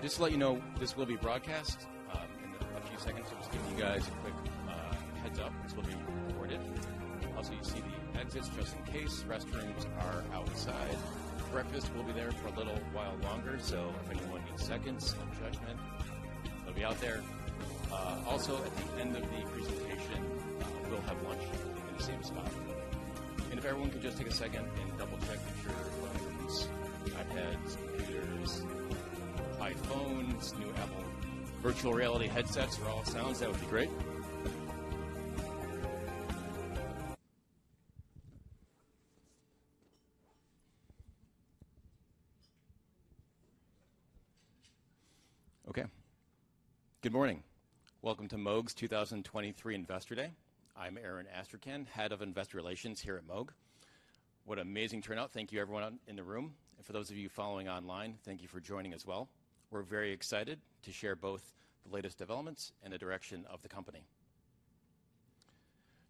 Just to let you know, this will be broadcast in a few seconds. Just giving you guys a quick heads-up. This will be recorded. Also, you see the exits just in case. Restrooms are outside. Breakfast will be there for a little while longer, so if anyone needs seconds, no judgment. They'll be out there. Also, at the end of the presentation, we'll have lunch in the same spot. If everyone could just take a second and double-check that your phones, iPads, computers, iPhones, new Apple virtual reality headsets are all sounds, that would be great. Okay. Good morning. Welcome to Moog's 2023 Investor Day. I'm Aaron Astrachan, Head of Investor Relations here at Moog. What an amazing turnout! Thank you, everyone out in the room. For those of you following online, thank you for joining as well. We're very excited to share both the latest developments and the direction of the company.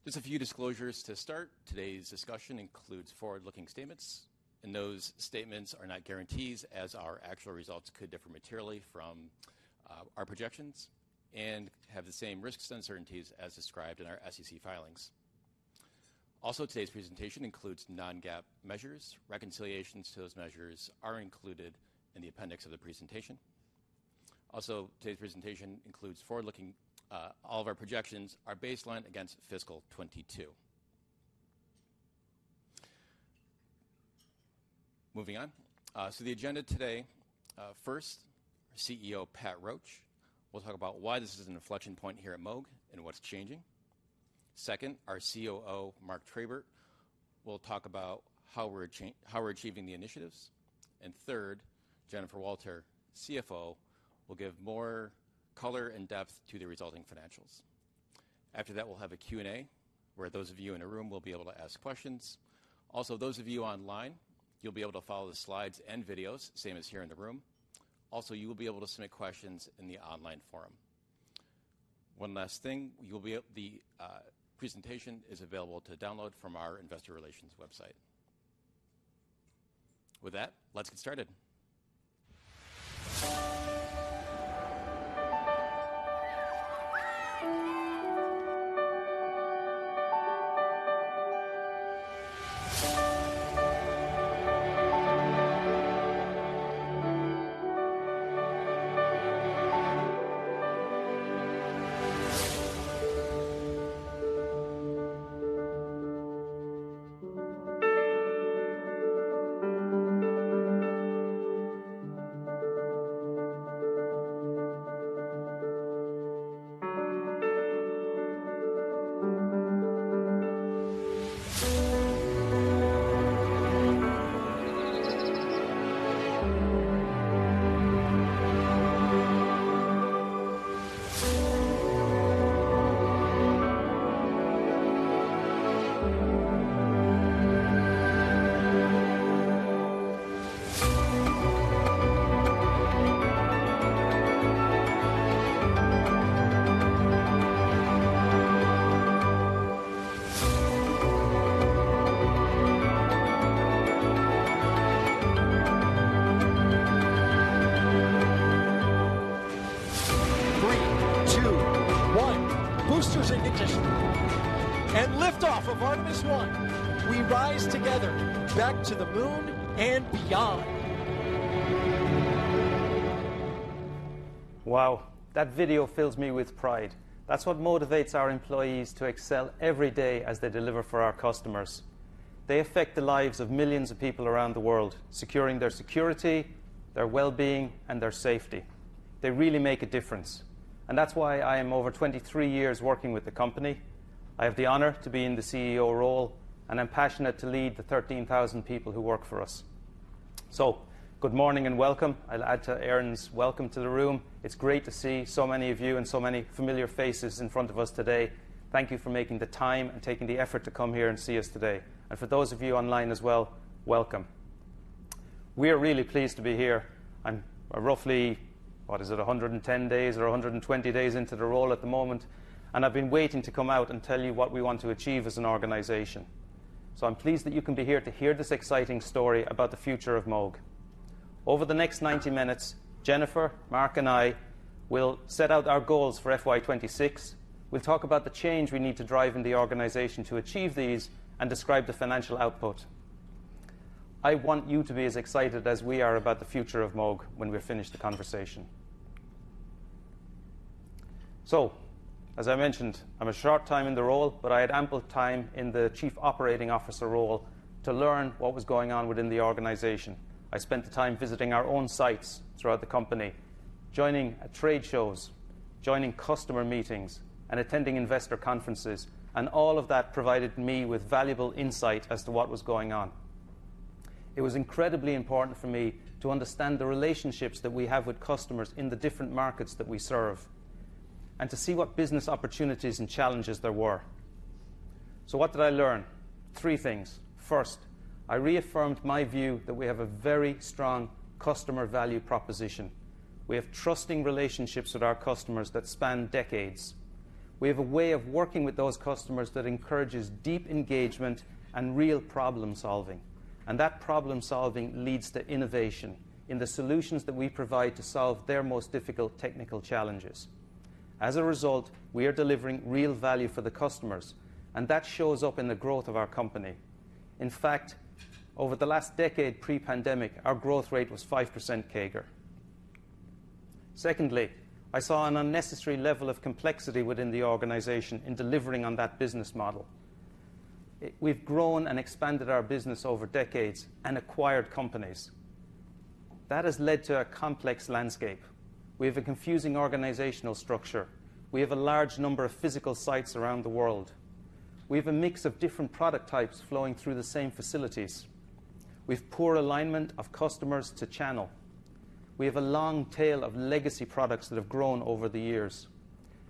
Just a few disclosures to start. Today's discussion includes forward-looking statements. Those statements are not guarantees, as our actual results could differ materially from our projections and have the same risks and uncertainties as described in our SEC filings. Today's presentation includes non-GAAP measures. Reconciliations to those measures are included in the appendix of the presentation. Today's presentation includes forward-looking. All of our projections are baselined against fiscal 2022. Moving on. The agenda today, first, our CEO, Pat Roche, will talk about why this is an inflection point here at Moog and what's changing. Second, our COO, Mark Trabert, will talk about how we're achieving the initiatives. Third, Jennifer Walter, CFO, will give more color and depth to the resulting financials. After that, we'll have a Q&A, where those of you in the room will be able to ask questions. Those of you online, you'll be able to follow the slides and videos, same as here in the room. You will be able to submit questions in the online forum. One last thing, you'll be the presentation is available to download from our Investor Relations website. Let's get started. Three, two, one. Boosters ignition and lift off of Artemis I. We rise together back to the moon and beyond! Wow! That video fills me with pride. That's what motivates our employees to excel every day as they deliver for our customers. They affect the lives of millions of people around the world, securing their security, their well-being, and their safety. They really make a difference. That's why I am over 23 years working with the company. I have the honor to be in the CEO role. I'm passionate to lead the 13,000 people who work for us. Good morning and welcome. I'll add to Aaron's welcome to the room. It's great to see so many of you and so many familiar faces in front of us today. Thank you for making the time and taking the effort to come here and see us today. For those of you online as well, welcome. We are really pleased to be here and roughly, what is it? 110 days or 120 days into the role at the moment, and I've been waiting to come out and tell you what we want to achieve as an organization. I'm pleased that you can be here to hear this exciting story about the future of Moog. Over the next 90 minutes, Jennifer, Mark, and I will set out our goals for FY 2026. We'll talk about the change we need to drive in the organization to achieve these and describe the financial output. I want you to be as excited as we are about the future of Moog when we're finished the conversation. As I mentioned, I'm a short time in the role, but I had ample time in the Chief Operating Officer role to learn what was going on within the organization. I spent the time visiting our own sites throughout the company, joining trade shows, joining customer meetings, and attending investor conferences, and all of that provided me with valuable insight as to what was going on. It was incredibly important for me to understand the relationships that we have with customers in the different markets that we serve, and to see what business opportunities and challenges there were. What did I learn? Three things: First, I reaffirmed my view that we have a very strong customer value proposition. We have trusting relationships with our customers that span decades. We have a way of working with those customers that encourages deep engagement and real problem-solving, and that problem-solving leads to innovation in the solutions that we provide to solve their most difficult technical challenges. We are delivering real value for the customers, and that shows up in the growth of our company. In fact, over the last decade, pre-pandemic, our growth rate was 5% CAGR. Secondly, I saw an unnecessary level of complexity within the organization in delivering on that business model. We've grown and expanded our business over decades and acquired companies. That has led to a complex landscape. We have a confusing organizational structure. We have a large number of physical sites around the world. We have a mix of different product types flowing through the same facilities. We have poor alignment of customers to channel. We have a long tail of legacy products that have grown over the years,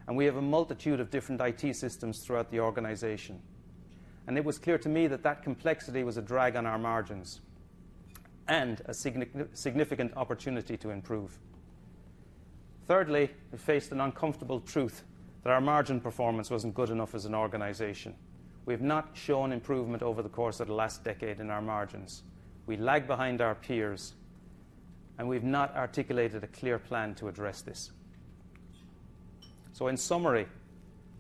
and we have a multitude of different IT systems throughout the organization. It was clear to me that that complexity was a drag on our margins and a significant opportunity to improve. Thirdly, we faced an uncomfortable truth that our margin performance wasn't good enough as an organization. We've not shown improvement over the course of the last decade in our margins. We lag behind our peers, and we've not articulated a clear plan to address this. In summary,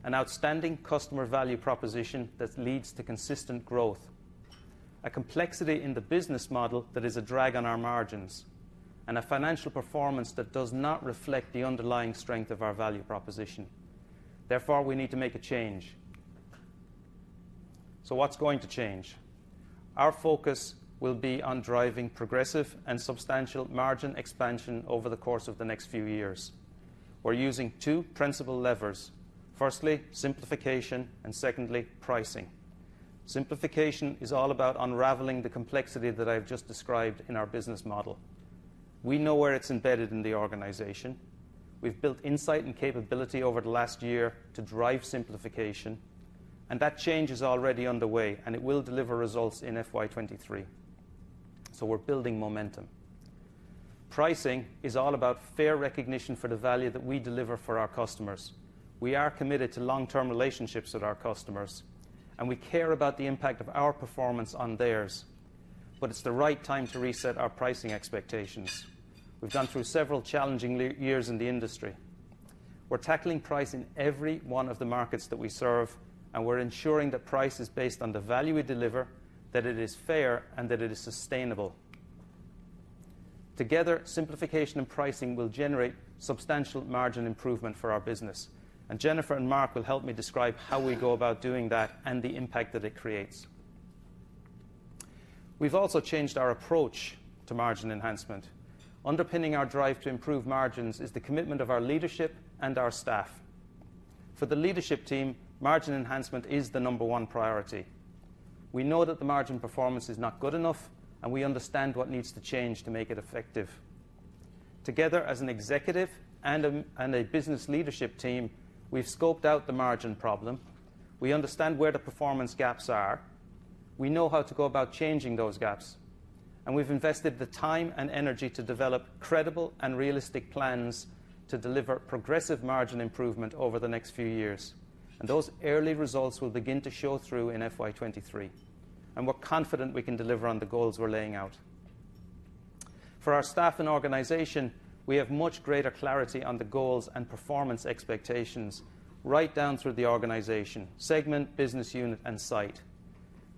an outstanding customer value proposition that leads to consistent growth, a complexity in the business model that is a drag on our margins, and a financial performance that does not reflect the underlying strength of our value proposition. Therefore, we need to make a change. What's going to change? Our focus will be on driving progressive and substantial margin expansion over the course of the next few years. We're using two principal levers: firstly, simplification, and secondly, pricing. Simplification is all about unraveling the complexity that I've just described in our business model. We know where it's embedded in the organization. We've built insight and capability over the last year to drive simplification, and that change is already underway, and it will deliver results in FY 2023. We're building momentum. Pricing is all about fair recognition for the value that we deliver for our customers. We are committed to long-term relationships with our customers, and we care about the impact of our performance on theirs, but it's the right time to reset our pricing expectations. We've gone through several challenging years in the industry. We're tackling price in every one of the markets that we serve, and we're ensuring that price is based on the value we deliver, that it is fair, and that it is sustainable. Together, simplification and pricing will generate substantial margin improvement for our business. Jennifer and Mark will help me describe how we go about doing that and the impact that it creates. We've also changed our approach to margin enhancement. Underpinning our drive to improve margins is the commitment of our leadership and our staff. For the leadership team, margin enhancement is the number one priority. We know that the margin performance is not good enough. We understand what needs to change to make it effective. Together, as an executive and a business leadership team, we've scoped out the margin problem. We understand where the performance gaps are, we know how to go about changing those gaps. We've invested the time and energy to develop credible and realistic plans to deliver progressive margin improvement over the next few years. Those early results will begin to show through in FY 2023, and we're confident we can deliver on the goals we're laying out. For our staff and organization, we have much greater clarity on the goals and performance expectations right down through the organization, segment, business unit, and site.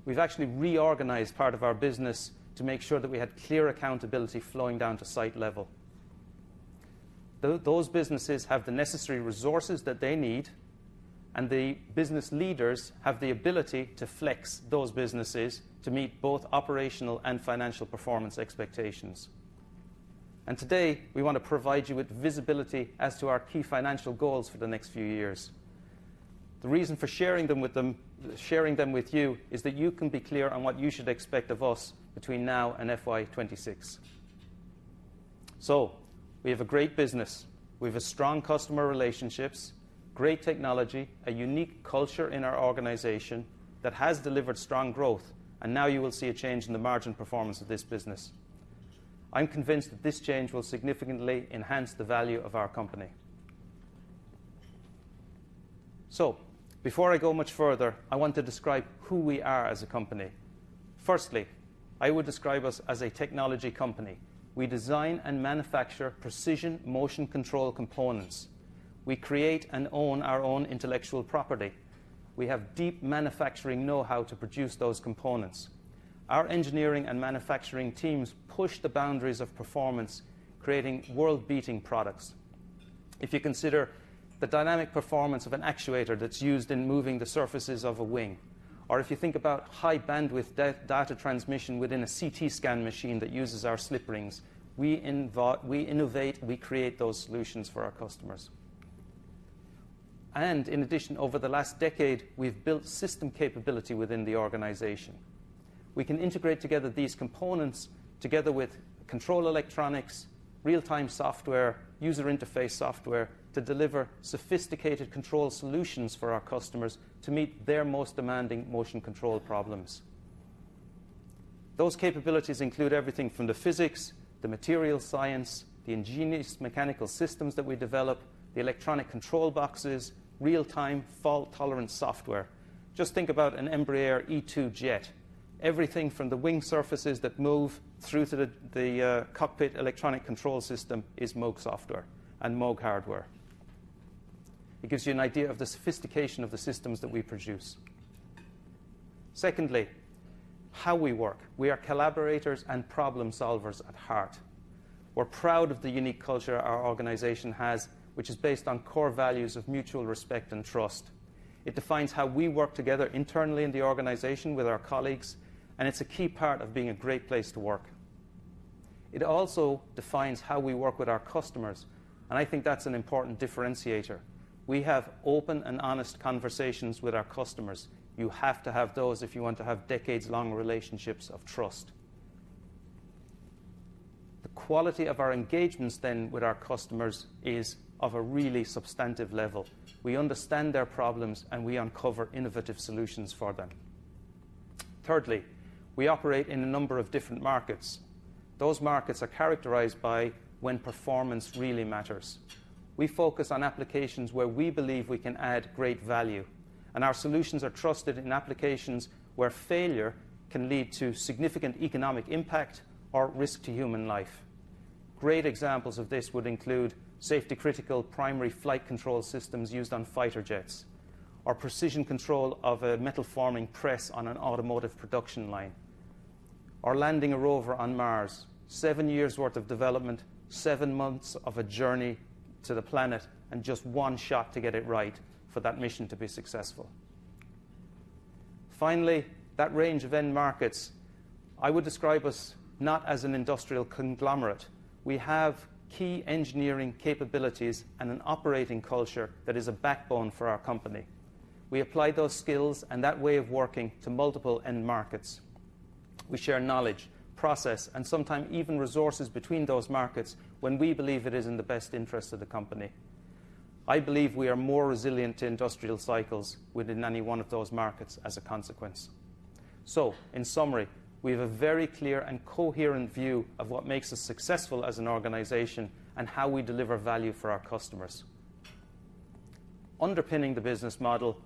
We've actually reorganized part of our business to make sure that we had clear accountability flowing down to site level. Those businesses have the necessary resources that they need, and the business leaders have the ability to flex those businesses to meet both operational and financial performance expectations. Today, we want to provide you with visibility as to our key financial goals for the next few years. The reason for sharing them with you is that you can be clear on what you should expect of us between now and FY 2026. We have a great business. We have strong customer relationships, great technology, a unique culture in our organization that has delivered strong growth, and now you will see a change in the margin performance of this business. I'm convinced that this change will significantly enhance the value of our company. Before I go much further, I want to describe who we are as a company. Firstly, I would describe us as a technology company. We design and manufacture precision motion control components. We create and own our own intellectual property. We have deep manufacturing know-how to produce those components. Our engineering and manufacturing teams push the boundaries of performance, creating world-beating products. If you consider the dynamic performance of an actuator that's used in moving the surfaces of a wing, or if you think about high bandwidth data transmission within a CT scan machine that uses our slip rings, we innovate, we create those solutions for our customers. In addition, over the last decade, we've built system capability within the organization. We can integrate together these components together with control electronics, real-time software, user interface software, to deliver sophisticated control solutions for our customers to meet their most demanding motion control problems. Those capabilities include everything from the physics, the material science, the ingenious mechanical systems that we develop, the electronic control boxes, real-time fault-tolerant software. Just think about an Embraer E-Jet E2. Everything from the wing surfaces that move through to the cockpit electronic control system is Moog software and Moog hardware. It gives you an idea of the sophistication of the systems that we produce. Secondly, how we work. We are collaborators and problem solvers at heart. We're proud of the unique culture our organization has, which is based on core values of mutual respect and trust. It defines how we work together internally in the organization with our colleagues, and it's a key part of being a great place to work. It also defines how we work with our customers, and I think that's an important differentiator. We have open and honest conversations with our customers. You have to have those if you want to have decades-long relationships of trust. The quality of our engagements then with our customers is of a really substantive level. We understand their problems, and we uncover innovative solutions for them. Thirdly, we operate in a number of different markets. Those markets are characterized by when performance really matters. We focus on applications where we believe we can add great value, and our solutions are trusted in applications where failure can lead to significant economic impact or risk to human life. Great examples of this would include safety-critical primary flight control systems used on fighter jets, or precision control of a metal forming press on an automotive production line, or landing a rover on Mars. Seven years' worth of development, seven months of a journey to the planet, and just one shot to get it right for that mission to be successful. Finally, that range of end markets, I would describe us not as an industrial conglomerate. We have key engineering capabilities and an operating culture that is a backbone for our company. We apply those skills and that way of working to multiple end markets. We share knowledge, process, and sometimes even resources between those markets when we believe it is in the best interest of the company. I believe we are more resilient to industrial cycles within any one of those markets as a consequence. In summary, we have a very clear and coherent view of what makes us successful as an organization and how we deliver value for our customers. Underpinning the business model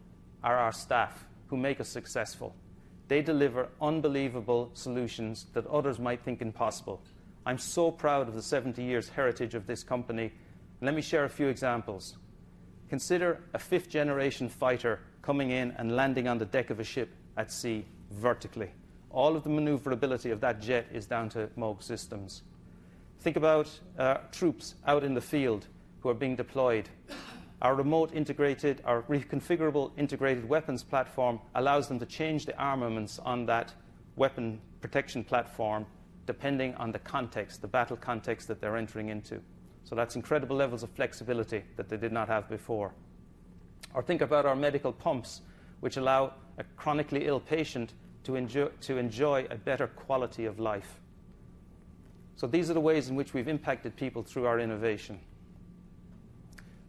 are our staff, who make us successful. They deliver unbelievable solutions that others might think impossible. I'm so proud of the 70 years heritage of this company. Let me share a few examples. Consider a fifth-generation fighter coming in and landing on the deck of a ship at sea vertically. All of the maneuverability of that jet is down to Moog systems. Think about troops out in the field who are being deployed. Our Reconfigurable Integrated Weapons Platform allows them to change the armaments on that weapon protection platform, depending on the context, the battle context that they're entering into. That's incredible levels of flexibility that they did not have before. Or think about our medical pumps, which allow a chronically ill patient to enjoy a better quality of life. These are the ways in which we've impacted people through our innovation.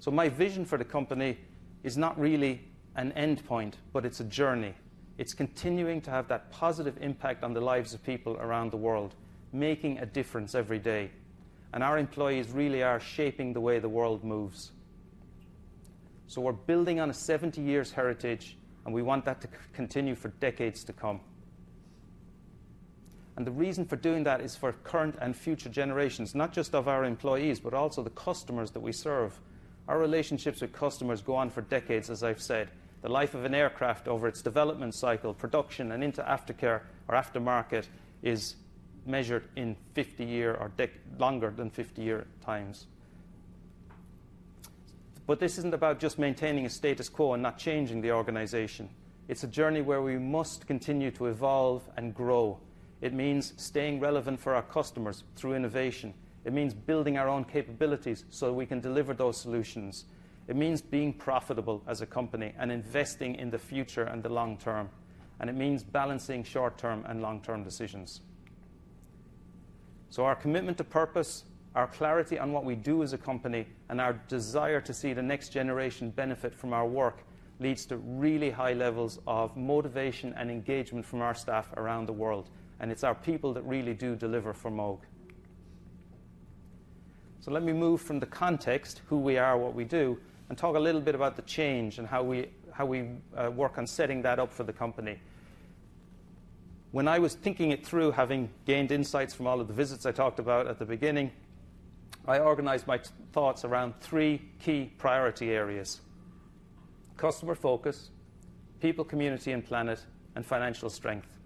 My vision for the company is not really an endpoint, but it's a journey. It's continuing to have that positive impact on the lives of people around the world, making a difference every day. Our employees really are shaping the way the world moves. We're building on a 70 years heritage, and we want that to continue for decades to come. The reason for doing that is for current and future generations, not just of our employees, but also the customers that we serve. Our relationships with customers go on for decades, as I've said. The life of an aircraft over its development cycle, production, and into aftercare or aftermarket, is measured in 50 year or longer than 50 year times. This isn't about just maintaining a status quo and not changing the organization. It's a journey where we must continue to evolve and grow. It means staying relevant for our customers through innovation. It means building our own capabilities so that we can deliver those solutions. It means being profitable as a company and investing in the future and the long term, and it means balancing short-term and long-term decisions. Our commitment to purpose, our clarity on what we do as a company, and our desire to see the next generation benefit from our work, leads to really high levels of motivation and engagement from our staff around the world, and it's our people that really do deliver for Moog. Let me move from the context, who we are, what we do, and talk a little bit about the change and how we work on setting that up for the company. When I was thinking it through, having gained insights from all of the visits I talked about at the beginning, I organized my thoughts around three key priority areas: customer focus; people, community, and planet; and financial strength.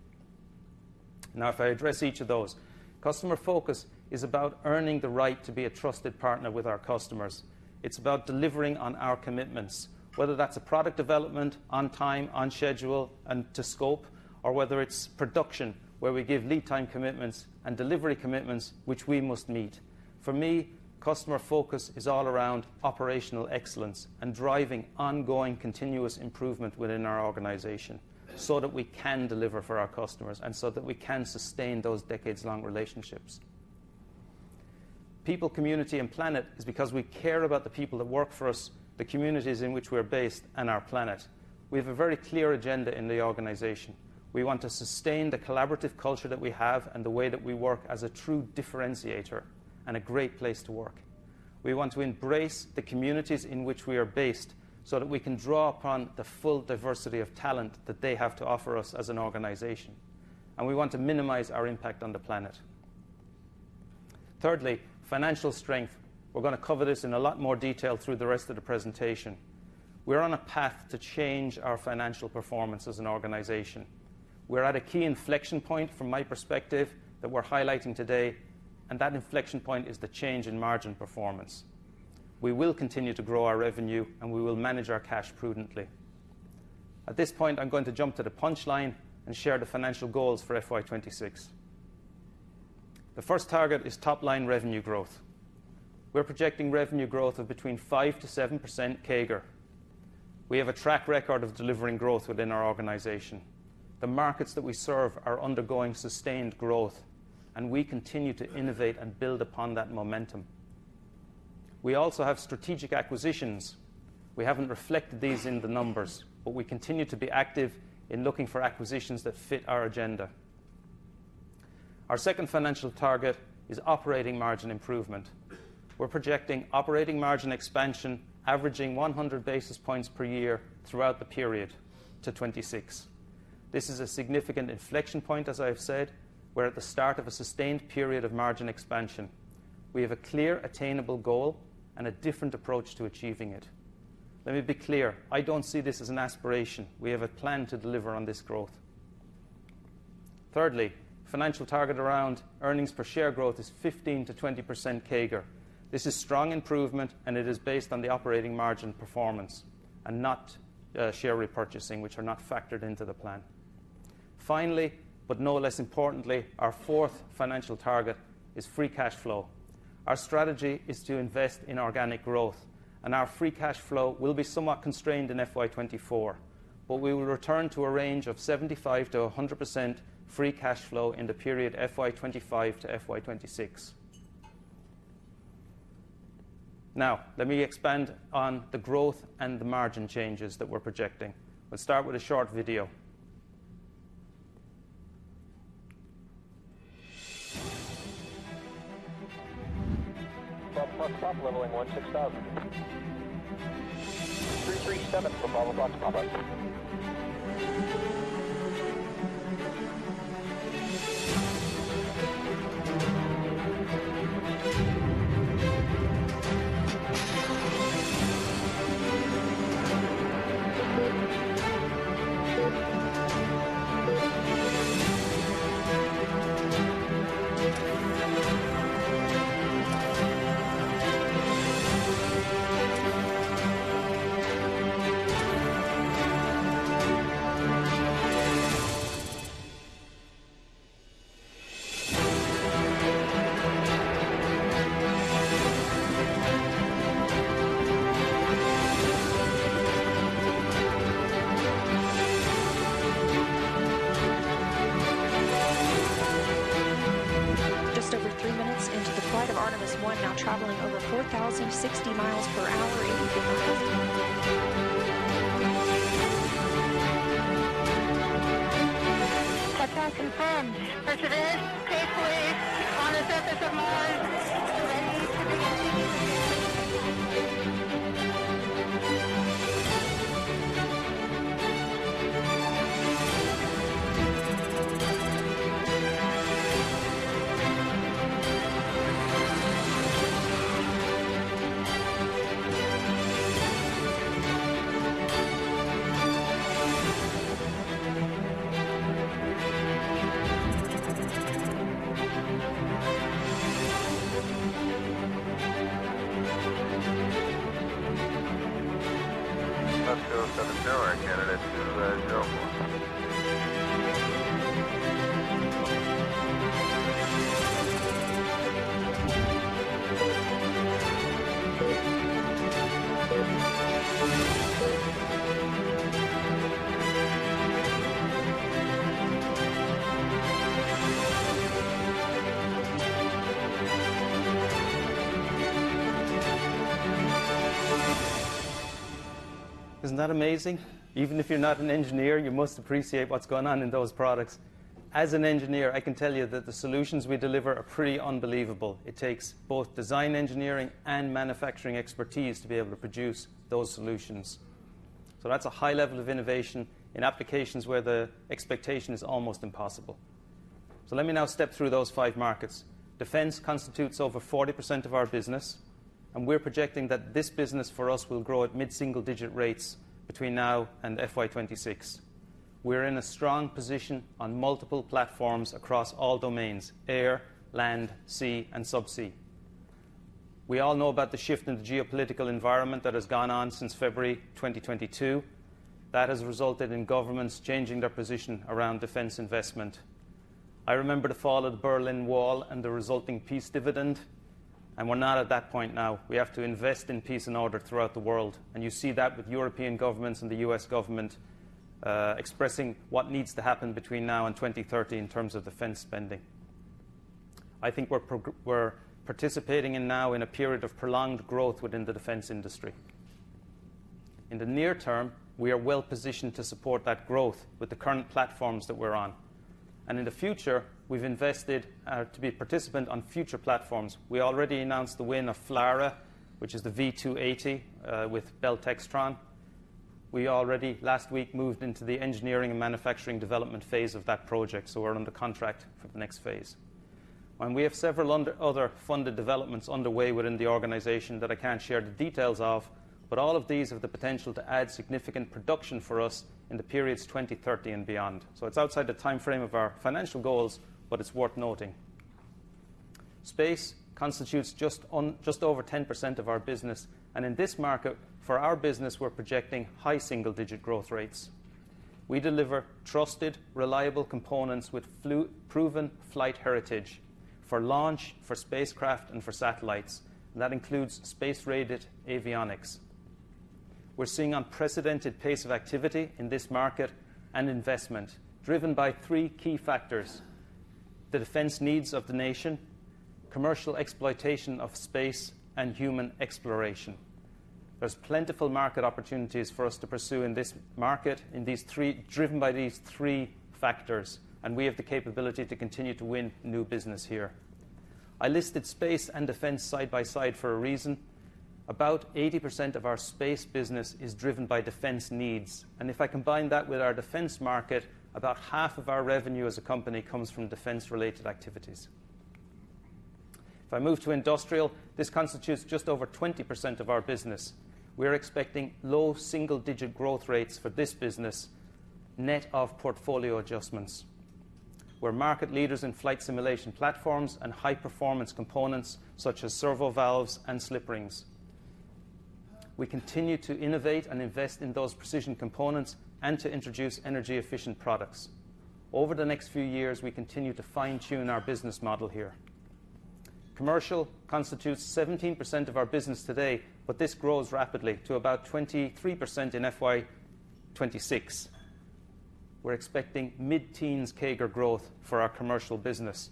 If I address each of those, customer focus is about earning the right to be a trusted partner with our customers. It's about delivering on our commitments, whether that's a product development on time, on schedule, and to scope, or whether it's production, where we give lead time commitments and delivery commitments, which we must meet. For me, customer focus is all around operational excellence and driving ongoing, continuous improvement within our organization so that we can deliver for our customers and so that we can sustain those decades-long relationships. People, community, and planet is because we care about the people that work for us, the communities in which we're based, and our planet. We have a very clear agenda in the organization. We want to sustain the collaborative culture that we have and the way that we work as a true differentiator and a great place to work. We want to embrace the communities in which we are based, so that we can draw upon the full diversity of talent that they have to offer us as an organization, and we want to minimize our impact on the planet. Financial strength. We're gonna cover this in a lot more detail through the rest of the presentation. We're on a path to change our financial performance as an organization. We're at a key inflection point, from my perspective, that we're highlighting today, and that inflection point is the change in margin performance. We will continue to grow our revenue, and we will manage our cash prudently. At this point, I'm going to jump to the punchline and share the financial goals for FY 2026. The first target is top-line revenue growth. We're projecting revenue growth of between 5%-7% CAGR. We have a track record of delivering growth within our organization. The markets that we serve are undergoing sustained growth. We continue to innovate and build upon that momentum. We also have strategic acquisitions. We haven't reflected these in the numbers. We continue to be active in looking for acquisitions that fit our agenda. Our second financial target is operating margin improvement. We're projecting operating margin expansion averaging 100 basis points per year throughout the period to 2026. This is a significant inflection point, as I've said. We're at the start of a sustained period of margin expansion. We have a clear, attainable goal and a different approach to achieving it. Let me be clear, I don't see this as an aspiration. We have a plan to deliver on this growth. Financial target around earnings per share growth is 15%-20% CAGR. This is strong improvement, it is based on the operating margin performance and not share repurchasing, which are not factored into the plan. Finally, no less importantly, our fourth financial target is free cash flow. Our strategy is to invest in organic growth, our free cash flow will be somewhat constrained in FY 2024, we will return to a range of 75%-100% free cash flow in the period FY 2025 to FY 2026. Let me expand on the growth and the margin changes that we're projecting. Let's start with a short video. Leveling 16,000. 337, approval to launch rocket. Just over three minutes into the flight of Artemis I, now traveling over 4,060 miles per hour in orbit. Touchdown confirmed! Perseverance safely on the surface of Mars. Isn't that amazing? Even if you're not an engineer, you must appreciate what's going on in those products. As an engineer, I can tell you that the solutions we deliver are pretty unbelievable. It takes both design engineering and manufacturing expertise to be able to produce those solutions. That's a high level of innovation in applications where the expectation is almost impossible. Let me now step through those five markets. Defense constitutes over 40% of our business, and we're projecting that this business for us will grow at mid-single digit rates between now and FY 2026. We're in a strong position on multiple platforms across all domains: air, land, sea, and sub-sea. We all know about the shift in the geopolitical environment that has gone on since February 2022. That has resulted in governments changing their position around Defense investment. I remember the fall of the Berlin Wall and the resulting peace dividend. We're not at that point now. We have to invest in peace and order throughout the world. You see that with European governments and the U.S. government, expressing what needs to happen between now and 2030 in terms of defense spending. I think we're participating in now in a period of prolonged growth within the defense industry. In the near term, we are well-positioned to support that growth with the current platforms that we're on. In the future, we've invested to be a participant on future platforms. We already announced the win of FLRAA, which is the V-280 with Bell Textron. We already last week moved into the engineering and manufacturing development phase of that project, so we're under contract for the next phase. We have several other funded developments underway within the organization that I can't share the details of, but all of these have the potential to add significant production for us in the periods 2030 and beyond. It's outside the timeframe of our financial goals, but it's worth noting. Space constitutes just over 10% of our business, and in this market, for our business, we're projecting high single-digit growth rates. We deliver trusted, reliable components with proven flight heritage for launch, for spacecraft, and for satellites, and that includes space-rated avionics. We're seeing unprecedented pace of activity in this market and investment, driven by three key factors: the defense needs of the nation, commercial exploitation of space, and human exploration. There's plentiful market opportunities for us to pursue in this market, driven by these three factors. We have the capability to continue to win new business here. I listed space and defense side by side for a reason. About 80% of our space business is driven by defense needs. If I combine that with our defense market, about half of our revenue as a company comes from defense-related activities. If I move to industrial, this constitutes just over 20% of our business. We're expecting low single-digit growth rates for this business, net of portfolio adjustments. We're market leaders in flight simulation platforms and high-performance components, such as servo valves and slip rings. We continue to innovate and invest in those precision components and to introduce energy-efficient products. Over the next few years, we continue to fine-tune our business model here. Commercial constitutes 17% of our business today, but this grows rapidly to about 23% in FY 2026. We're expecting mid-teens CAGR growth for our commercial business.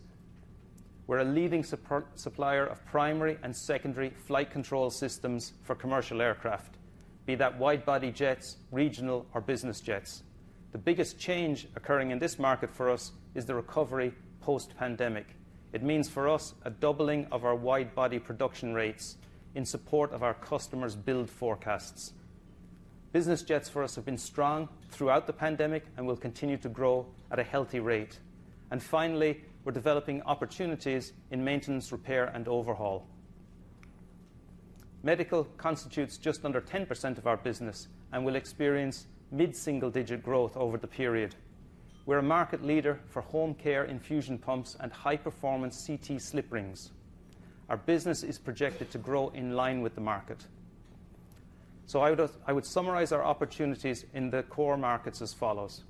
We're a leading supplier of primary and secondary flight control systems for commercial aircraft, be that wide-body jets, regional, or business jets. The biggest change occurring in this market for us is the recovery post-pandemic. It means, for us, a doubling of our wide-body production rates in support of our customers' build forecasts. Business jets for us have been strong throughout the pandemic and will continue to grow at a healthy rate. Finally, we're developing opportunities in maintenance, repair, and overhaul. Medical constitutes just under 10% of our business and will experience mid-single-digit growth over the period. We're a market leader for home care infusion pumps and high-performance CT slip rings. Our business is projected to grow in line with the market. I would summarize our opportunities in the core markets as follows: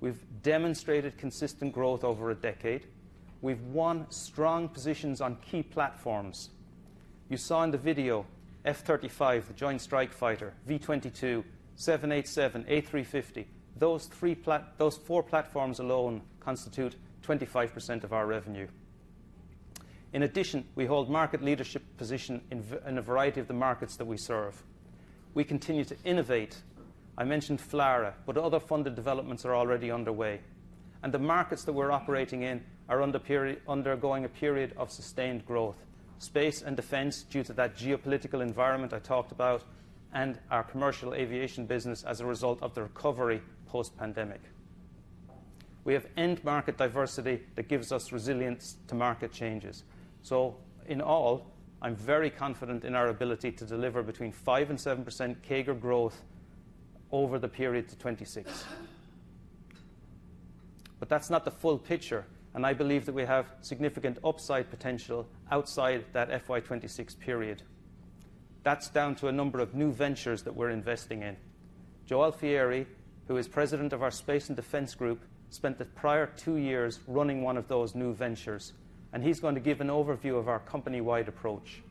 We've demonstrated consistent growth over a decade. We've won strong positions on key platforms. You saw in the video F-35, the Joint Strike Fighter, V-22, 787, A350. Those four platforms alone constitute 25% of our revenue. In addition, we hold market leadership position in a variety of the markets that we serve. We continue to innovate. I mentioned FLRAA, other funded developments are already underway, the markets that we're operating in are undergoing a period of sustained growth. Space and defense, due to that geopolitical environment I talked about, our commercial aviation business as a result of the recovery post-pandemic. We have end-market diversity that gives us resilience to market changes. In all, I'm very confident in our ability to deliver between 5% and 7% CAGR growth over the period to 2026. That's not the full picture, and I believe that we have significant upside potential outside that FY 2026 period. That's down to a number of new ventures that we're investing in. Joe Alfieri, who is president of our Space and Defense Group, spent the prior two years running one of those new ventures, and he's going to give an overview of our company-wide approach.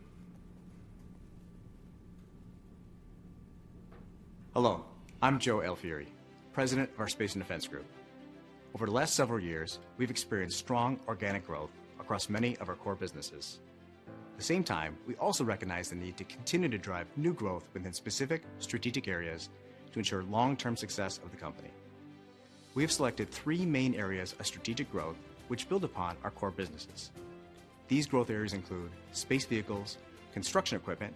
Hello, I'm Joe Alfieri, President of our Space and Defense Group. Over the last several years, we've experienced strong organic growth across many of our core businesses. At the same time, we also recognize the need to continue to drive new growth within specific strategic areas to ensure long-term success of the company. We have selected three main areas of strategic growth, which build upon our core businesses. These growth areas include space vehicles, construction equipment,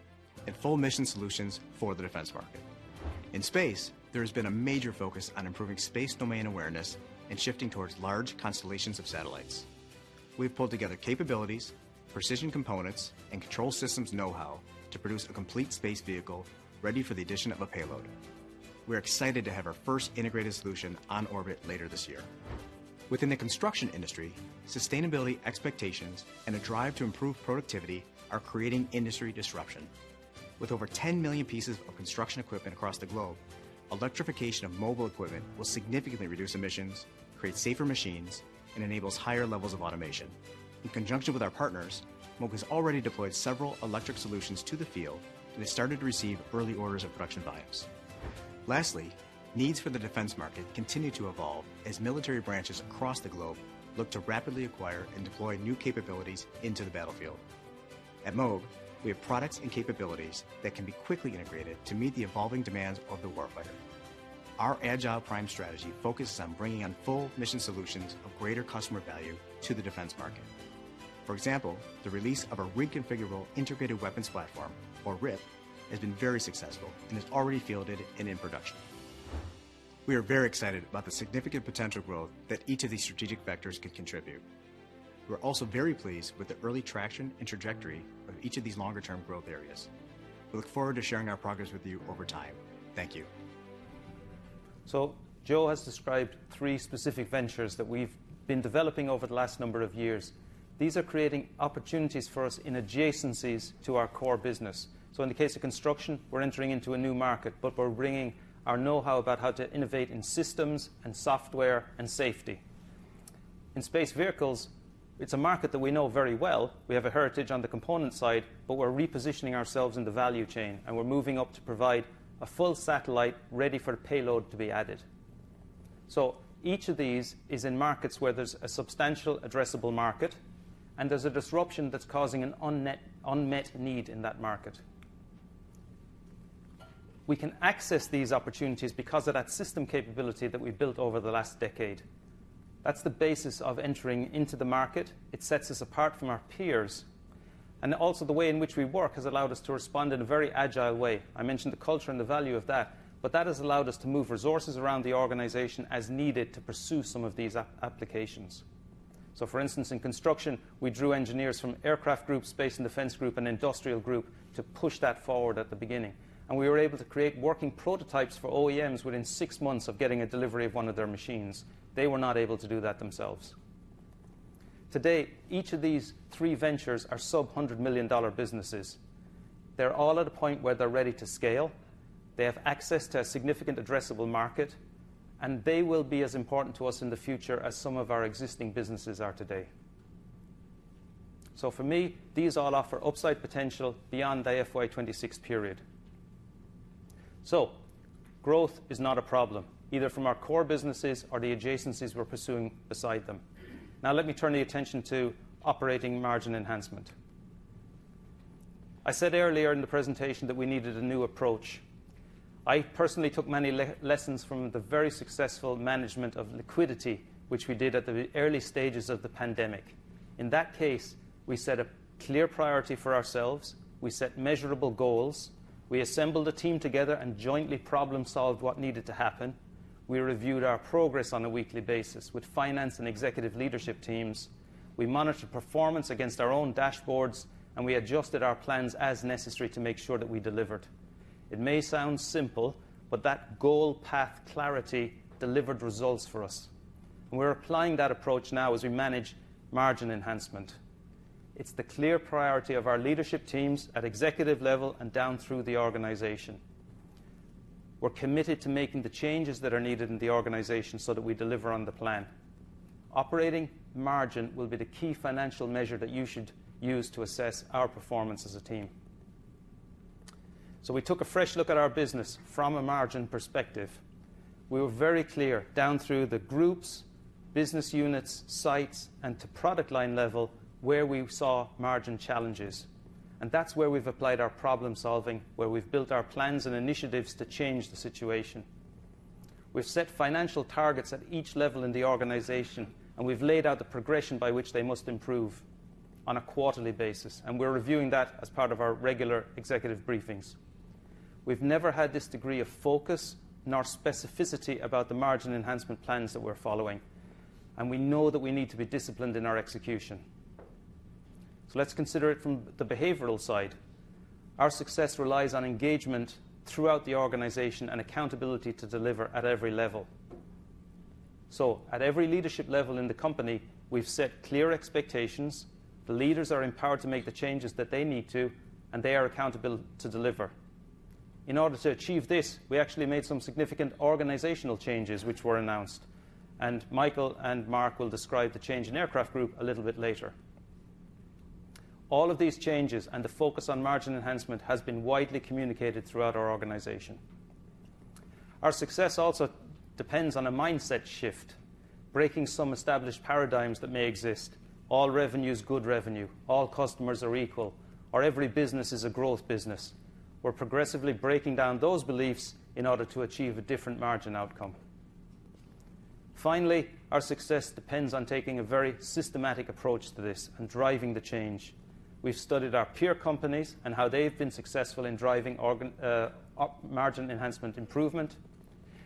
and full mission solutions for the defense market. In space, there has been a major focus on improving space domain awareness and shifting towards large constellations of satellites. We've pulled together capabilities, precision components, and control systems know-how to produce a complete space vehicle ready for the addition of a payload. We're excited to have our first integrated solution on orbit later this year. Within the construction industry, sustainability expectations and a drive to improve productivity are creating industry disruption. With over 10 million pieces of construction equipment across the globe, electrification of mobile equipment will significantly reduce emissions, create safer machines, and enables higher levels of automation. In conjunction with our partners, Moog has already deployed several electric solutions to the field, and has started to receive early orders of production volumes. Needs for the defense market continue to evolve as military branches across the globe look to rapidly acquire and deploy new capabilities into the battlefield. At Moog, we have products and capabilities that can be quickly integrated to meet the evolving demands of the warfighter. Our Agile Prime strategy focuses on bringing on full mission solutions of greater customer value to the defense market. For example, the release of our Reconfigurable Integrated Weapons Platform, or RIwP, has been very successful and is already fielded and in production. We are very excited about the significant potential growth that each of these strategic vectors could contribute. We're also very pleased with the early traction and trajectory of each of these longer-term growth areas. We look forward to sharing our progress with you over time. Thank you. Joe has described three specific ventures that we've been developing over the last number of years. These are creating opportunities for us in adjacencies to our core business. In the case of construction, we're entering into a new market, but we're bringing our know-how about how to innovate in systems and software and safety. In space vehicles, it's a market that we know very well. We have a heritage on the component side, but we're repositioning ourselves in the value chain, and we're moving up to provide a full satellite ready for payload to be added. Each of these is in markets where there's a substantial addressable market, and there's a disruption that's causing an unmet need in that market. We can access these opportunities because of that system capability that we've built over the last decade. That's the basis of entering into the market. It sets us apart from our peers, and also the way in which we work has allowed us to respond in a very agile way. I mentioned the culture and the value of that, but that has allowed us to move resources around the organization as needed to pursue some of these applications. For instance, in construction, we drew engineers from Aircraft Group, Space and Defense Group, and Industrial Group to push that forward at the beginning. We were able to create working prototypes for OEMs within six months of getting a delivery of one of their machines. They were not able to do that themselves. Today, each of these three ventures are sub-$100 million businesses. They're all at a point where they're ready to scale. They have access to a significant addressable market. They will be as important to us in the future as some of our existing businesses are today. For me, these all offer upside potential beyond the FY 2026 period. Growth is not a problem, either from our core businesses or the adjacencies we're pursuing beside them. Let me turn the attention to operating margin enhancement. I said earlier in the presentation that we needed a new approach. I personally took many lessons from the very successful management of liquidity, which we did at the early stages of the pandemic. In that case, we set a clear priority for ourselves, we set measurable goals, we assembled a team together and jointly problem-solved what needed to happen. We reviewed our progress on a weekly basis with finance and executive leadership teams. We monitored performance against our own dashboards. We adjusted our plans as necessary to make sure that we delivered. It may sound simple. That goal path clarity delivered results for us. We're applying that approach now as we manage margin enhancement. It's the clear priority of our leadership teams at executive level and down through the organization. We're committed to making the changes that are needed in the organization so that we deliver on the plan. Operating margin will be the key financial measure that you should use to assess our performance as a team. We took a fresh look at our business from a margin perspective. We were very clear down through the groups, business units, sites, and to product line level, where we saw margin challenges. That's where we've applied our problem-solving, where we've built our plans and initiatives to change the situation. We've set financial targets at each level in the organization. We've laid out the progression by which they must improve on a quarterly basis. We're reviewing that as part of our regular executive briefings. We've never had this degree of focus nor specificity about the margin enhancement plans that we're following. We know that we need to be disciplined in our execution. Let's consider it from the behavioral side. Our success relies on engagement throughout the organization and accountability to deliver at every level. At every leadership level in the company, we've set clear expectations. The leaders are empowered to make the changes that they need to. They are accountable to deliver. In order to achieve this, we actually made some significant organizational changes, which were announced. Michael and Mark will describe the change in Aircraft Group a little bit later. All of these changes and the focus on margin enhancement has been widely communicated throughout our organization. Our success also depends on a mindset shift, breaking some established paradigms that may exist. All revenue is good revenue, all customers are equal, or every business is a growth business. We're progressively breaking down those beliefs in order to achieve a different margin outcome. Finally, our success depends on taking a very systematic approach to this and driving the change. We've studied our peer companies and how they've been successful in driving organic margin enhancement improvement.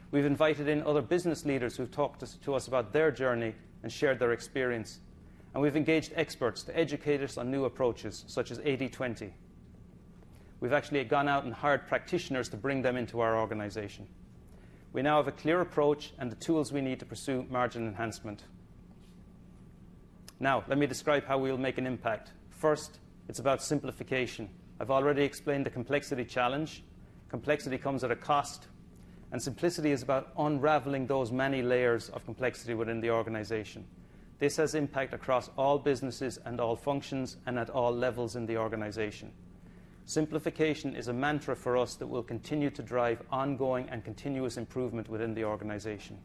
We've invited in other business leaders who've talked to us about their journey and shared their experience, and we've engaged experts to educate us on new approaches, such as 80/20. We've actually gone out and hired practitioners to bring them into our organization. We now have a clear approach and the tools we need to pursue margin enhancement. Now, let me describe how we will make an impact. First, it's about simplification. I've already explained the complexity challenge. Complexity comes at a cost, and simplicity is about unraveling those many layers of complexity within the organization. This has impact across all businesses and all functions, and at all levels in the organization. Simplification is a mantra for us that will continue to drive ongoing and continuous improvement within the organization.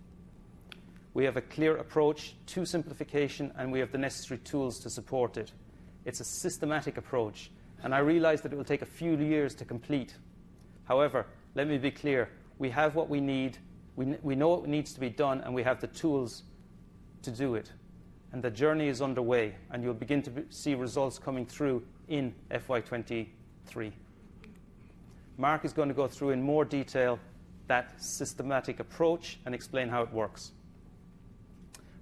We have a clear approach to simplification, and we have the necessary tools to support it. It's a systematic approach, and I realize that it will take a few years to complete. Let me be clear, we have what we need, we know what needs to be done, we have the tools to do it, the journey is underway, you'll begin to see results coming through in FY 2023. Mark is going to go through in more detail that systematic approach and explain how it works.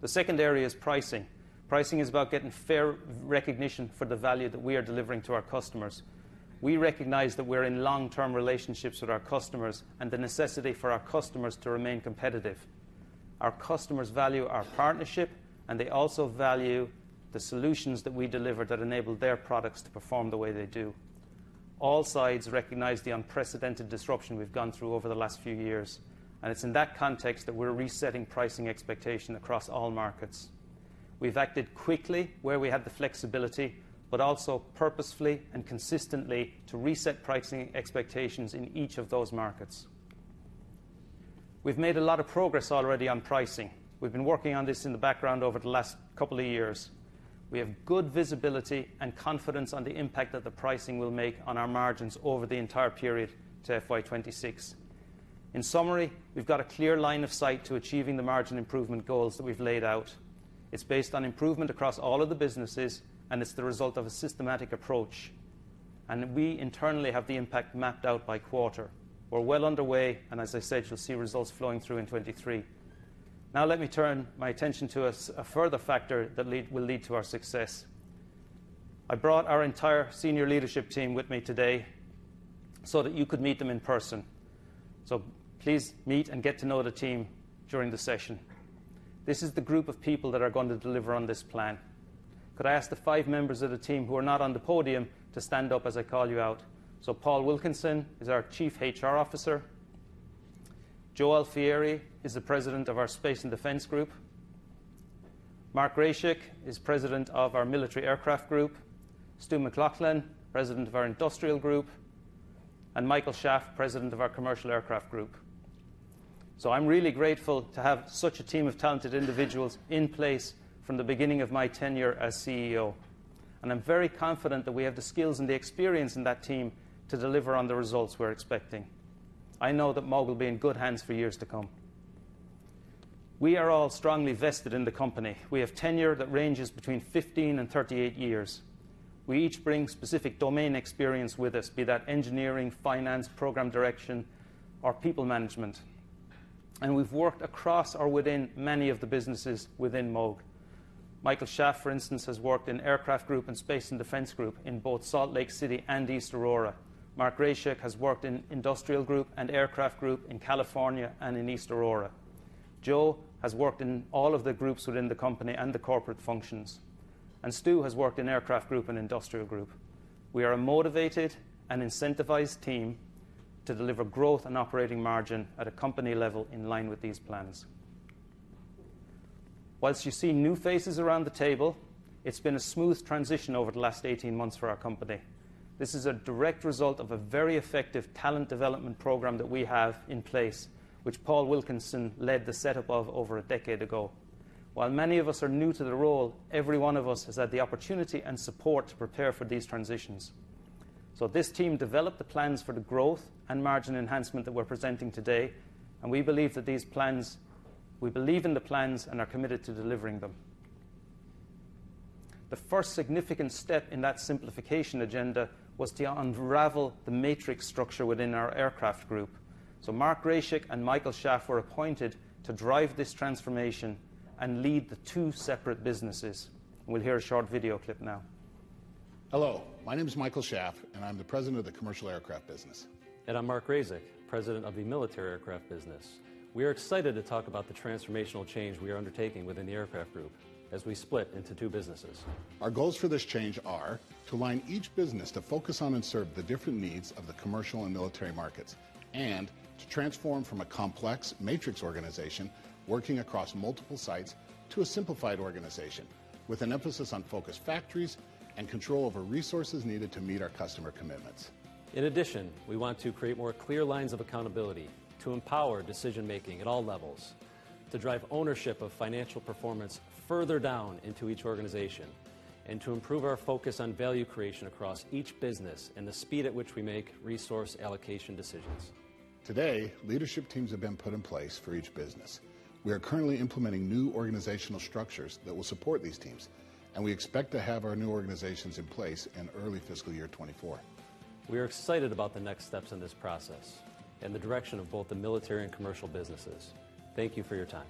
The second area is pricing. Pricing is about getting fair recognition for the value that we are delivering to our customers. We recognize that we're in long-term relationships with our customers and the necessity for our customers to remain competitive. Our customers value our partnership, they also value the solutions that we deliver that enable their products to perform the way they do. All sides recognize the unprecedented disruption we've gone through over the last few years, it's in that context that we're resetting pricing expectation across all markets. We've acted quickly where we had the flexibility, also purposefully and consistently to reset pricing expectations in each of those markets. We've made a lot of progress already on pricing. We've been working on this in the background over the last couple of years. We have good visibility and confidence on the impact that the pricing will make on our margins over the entire period to FY 2026. In summary, we've got a clear line of sight to achieving the margin improvement goals that we've laid out. It's based on improvement across all of the businesses, it's the result of a systematic approach, we internally have the impact mapped out by quarter. We're well underway, and as I said, you'll see results flowing through in 2023. Let me turn my attention to a further factor that will lead to our success. I brought our entire senior leadership team with me today so that you could meet them in person. Please meet and get to know the team during the session. This is the group of people that are going to deliver on this plan. Could I ask the five members of the team who are not on the podium to stand up as I call you out? Paul Wilkinson is our Chief HR Officer. Joe Alfieri is the President of our Space and Defense Group. Mark Graczyk is President of our Military Aircraft Group. Stu McLachlan, President of our Industrial Group, and Michael Schaff, President of our Commercial Aircraft Group. I'm really grateful to have such a team of talented individuals in place from the beginning of my tenure as CEO, and I'm very confident that we have the skills and the experience in that team to deliver on the results we're expecting. I know that Moog will be in good hands for years to come. We are all strongly vested in the company. We have tenure that ranges between 15 and 38 years. We each bring specific domain experience with us, be that engineering, finance, program direction, or people management, and we've worked across or within many of the businesses within Moog. Michael Schaff, for instance, has worked in Aircraft Group and Space and Defense Group in both Salt Lake City and East Aurora. Mark Graczyk has worked in Industrial Group and Aircraft Group in California and in East Aurora. Joe has worked in all of the groups within the company and the corporate functions, and Stu has worked in Aircraft Group and Industrial Group. We are a motivated and incentivized team to deliver growth and operating margin at a company level in line with these plans. Whilst you see new faces around the table, it's been a smooth transition over the last 18 months for our company. This is a direct result of a very effective talent development program that we have in place, which Paul Wilkinson led the setup of over a decade ago. While many of us are new to the role, every one of us has had the opportunity and support to prepare for these transitions. This team developed the plans for the growth and margin enhancement that we're presenting today, and we believe that these plans... We believe in the plans and are committed to delivering them. The first significant step in that simplification agenda was to unravel the matrix structure within our Aircraft Group. Mark Graczyk and Michael Schaff were appointed to drive this transformation and lead the two separate businesses. We'll hear a short video clip now. Hello, my name is Michael Schaff, and I'm the President of the Commercial Aircraft business. I'm Mark Graczyk, President of the Military Aircraft business. We are excited to talk about the transformational change we are undertaking within the Aircraft Group as we split into two businesses. Our goals for this change are to align each business to focus on and serve the different needs of the commercial and military markets, and to transform from a complex matrix organization working across multiple sites to a simplified organization with an emphasis on focused factories and control over resources needed to meet our customer commitments. We want to create more clear lines of accountability, to empower decision-making at all levels, to drive ownership of financial performance further down into each organization, and to improve our focus on value creation across each business and the speed at which we make resource allocation decisions. Today, leadership teams have been put in place for each business. We are currently implementing new organizational structures that will support these teams, and we expect to have our new organizations in place in early fiscal year 2024. We are excited about the next steps in this process and the direction of both the military and commercial businesses. Thank you for your time.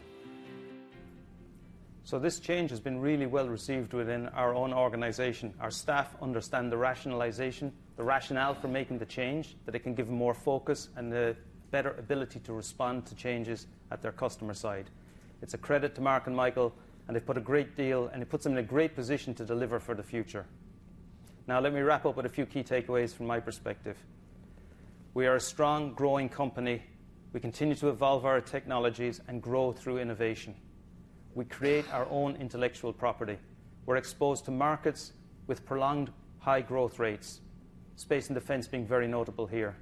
This change has been really well received within our own organization. Our staff understand the rationalization, the rationale for making the change, that it can give more focus and the better ability to respond to changes at their customer side. It's a credit to Mark and Michael, and they've put a great deal, and it puts them in a great position to deliver for the future. Let me wrap up with a few key takeaways from my perspective. We are a strong, growing company. We continue to evolve our technologies and grow through innovation. We create our own intellectual property. We're exposed to markets with prolonged high growth rates, space and defense being very notable here.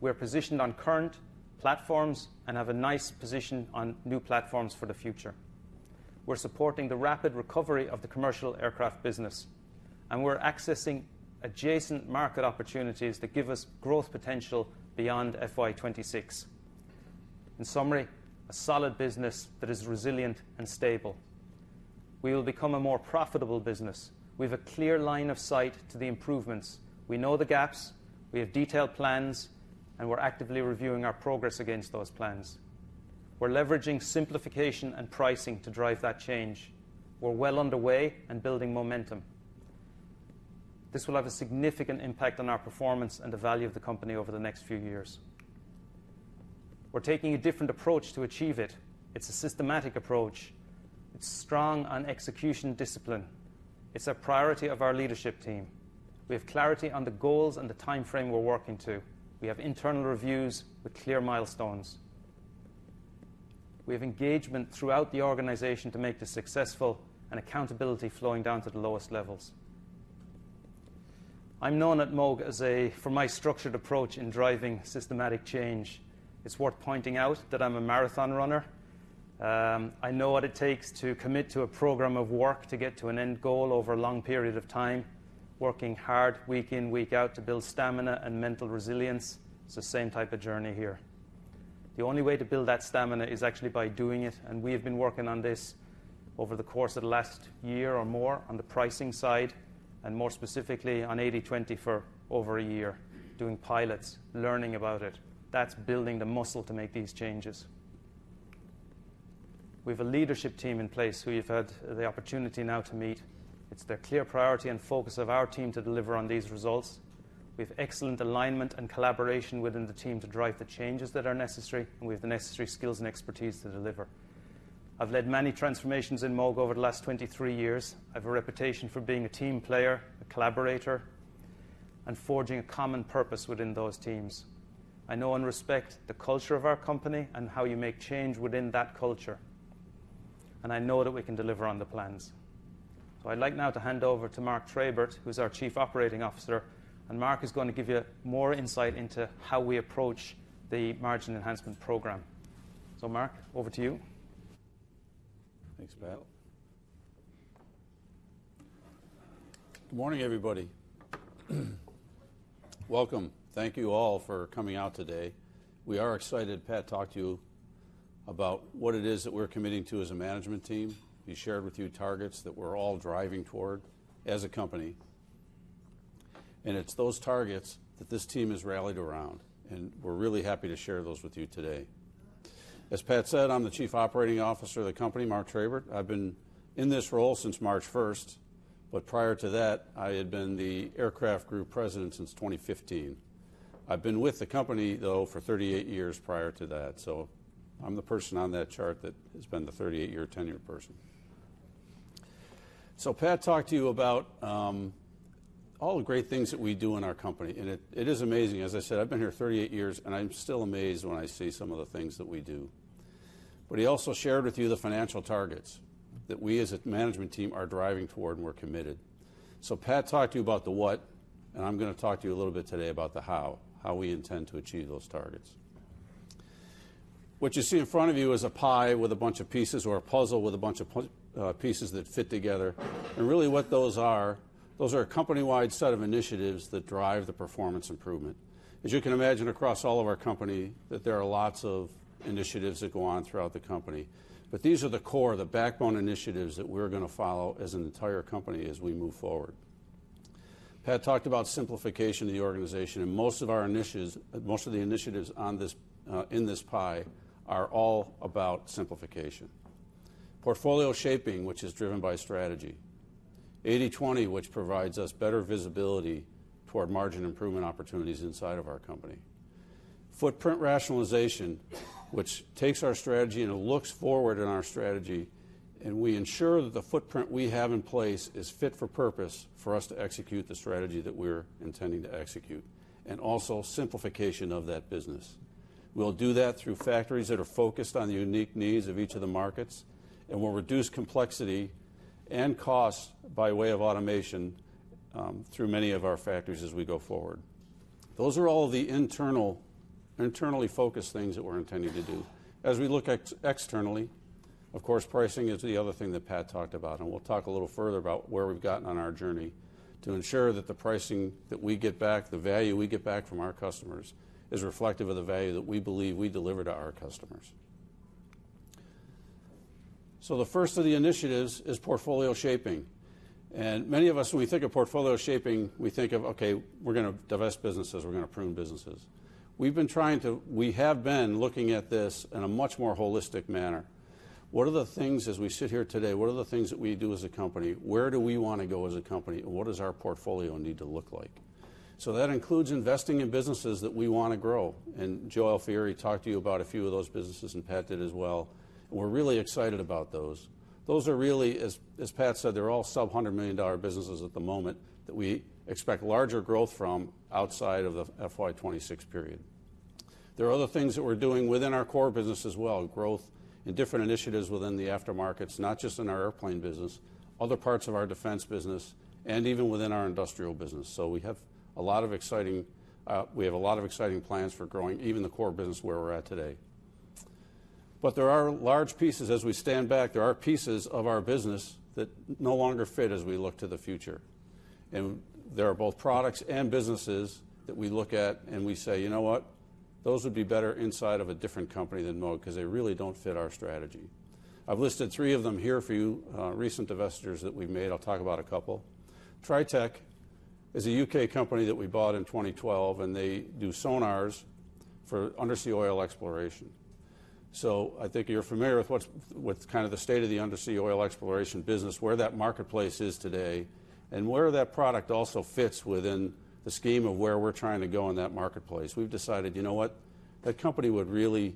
We're positioned on current platforms and have a nice position on new platforms for the future. We're supporting the rapid recovery of the commercial aircraft business, and we're accessing adjacent market opportunities that give us growth potential beyond FY 2026. In summary, a solid business that is resilient and stable. We will become a more profitable business. We have a clear line of sight to the improvements. We know the gaps, we have detailed plans, and we're actively reviewing our progress against those plans. We're leveraging simplification and pricing to drive that change. We're well underway and building momentum. This will have a significant impact on our performance and the value of the company over the next few years. We're taking a different approach to achieve it. It's a systematic approach. It's strong on execution discipline. It's a priority of our leadership team. We have clarity on the goals and the time frame we're working to. We have internal reviews with clear milestones. We have engagement throughout the organization to make this successful, and accountability flowing down to the lowest levels. I'm known at Moog for my structured approach in driving systematic change. It's worth pointing out that I'm a marathon runner. I know what it takes to commit to a program of work to get to an end goal over a long period of time, working hard week in, week out, to build stamina and mental resilience. It's the same type of journey here. The only way to build that stamina is actually by doing it, we have been working on this over the course of the last year or more on the pricing side, more specifically, on 80/20 for over a year, doing pilots, learning about it. That's building the muscle to make these changes. We have a leadership team in place who you've had the opportunity now to meet. It's the clear priority and focus of our team to deliver on these results. We have excellent alignment and collaboration within the team to drive the changes that are necessary, we have the necessary skills and expertise to deliver. I've led many transformations in Moog over the last 23 years. I have a reputation for being a team player, a collaborator, and forging a common purpose within those teams. I know and respect the culture of our company and how you make change within that culture, and I know that we can deliver on the plans. I'd like now to hand over to Mark Trabert, who's our Chief Operating Officer. Mark is going to give you more insight into how we approach the margin enhancement program. Mark, over to you. Thanks, Pat. Good morning, everybody. Welcome. Thank you all for coming out today. We are excited. Pat talked to you about what it is that we're committing to as a management team. He shared with you targets that we're all driving toward as a company. It's those targets that this team has rallied around. We're really happy to share those with you today. As Pat said, I'm the Chief Operating Officer of the company, Mark Trabert. I've been in this role since 1 March. Prior to that, I had been the Aircraft Group President since 2015. I've been with the company, though, for 38 years prior to that. I'm the person on that chart that has been the 38-year tenure person. Pat talked to you about all the great things that we do in our company, and it is amazing. As I said, I've been here 38 years, and I'm still amazed when I see some of the things that we do. We also shared with you the financial targets that we as a management team are driving toward and we're committed. Pat talked to you about the what, and I'm gonna talk to you a little bit today about the how we intend to achieve those targets. What you see in front of you is a pie with a bunch of pieces or a puzzle with a bunch of pieces that fit together. Really what those are, those are a company-wide set of initiatives that drive the performance improvement. As you can imagine, across all of our company, that there are lots of initiatives that go on throughout the company, but these are the core, the backbone initiatives that we're gonna follow as an entire company as we move forward. Pat talked about simplification of the organization, and most of the initiatives on this, in this pie, are all about simplification. Portfolio shaping, which is driven by strategy. 80/20, which provides us better visibility toward margin improvement opportunities inside of our company. Footprint rationalization, which takes our strategy and it looks forward in our strategy, and we ensure that the footprint we have in place is fit for purpose for us to execute the strategy that we're intending to execute, and also simplification of that business. We'll do that through factories that are focused on the unique needs of each of the markets, we'll reduce complexity and cost by way of automation through many of our factories as we go forward. Those are all the internally focused things that we're intending to do. As we look externally, of course, pricing is the other thing that Pat talked about, we'll talk a little further about where we've gotten on our journey to ensure that the pricing that we get back, the value we get back from our customers, is reflective of the value that we believe we deliver to our customers. The first of the initiatives is portfolio shaping, many of us, when we think of portfolio shaping, we think of, okay, we're gonna divest businesses, we're gonna prune businesses. We have been looking at this in a much more holistic manner. What are the things, as we sit here today, what are the things that we do as a company? Where do we want to go as a company, and what does our portfolio need to look like? That includes investing in businesses that we want to grow, and Joe Alfieri talked to you about a few of those businesses, and Pat did as well, and we're really excited about those. Those are really, as Pat said, they're all sub-$100 million businesses at the moment that we expect larger growth from outside of the FY 2026 period. There are other things that we're doing within our core business as well, growth in different initiatives within the aftermarkets, not just in our airplane business, other parts of our defense business and even within our industrial business. we have a lot of exciting plans for growing even the core business where we're at today. There are large pieces as we stand back, there are pieces of our business that no longer fit as we look to the future, there are both products and businesses that we look at, and we say, "You know what? Those would be better inside of a different company than Moog, because they really don't fit our strategy." I've listed three of them here for you, recent investors that we've made. I'll talk about a couple. Tritech is a U.K. company that we bought in 2012, and they do sonars for undersea oil exploration. I think you're familiar with kind of the state of the undersea oil exploration business, where that marketplace is today, and where that product also fits within the scheme of where we're trying to go in that marketplace. We've decided, you know what? That company would really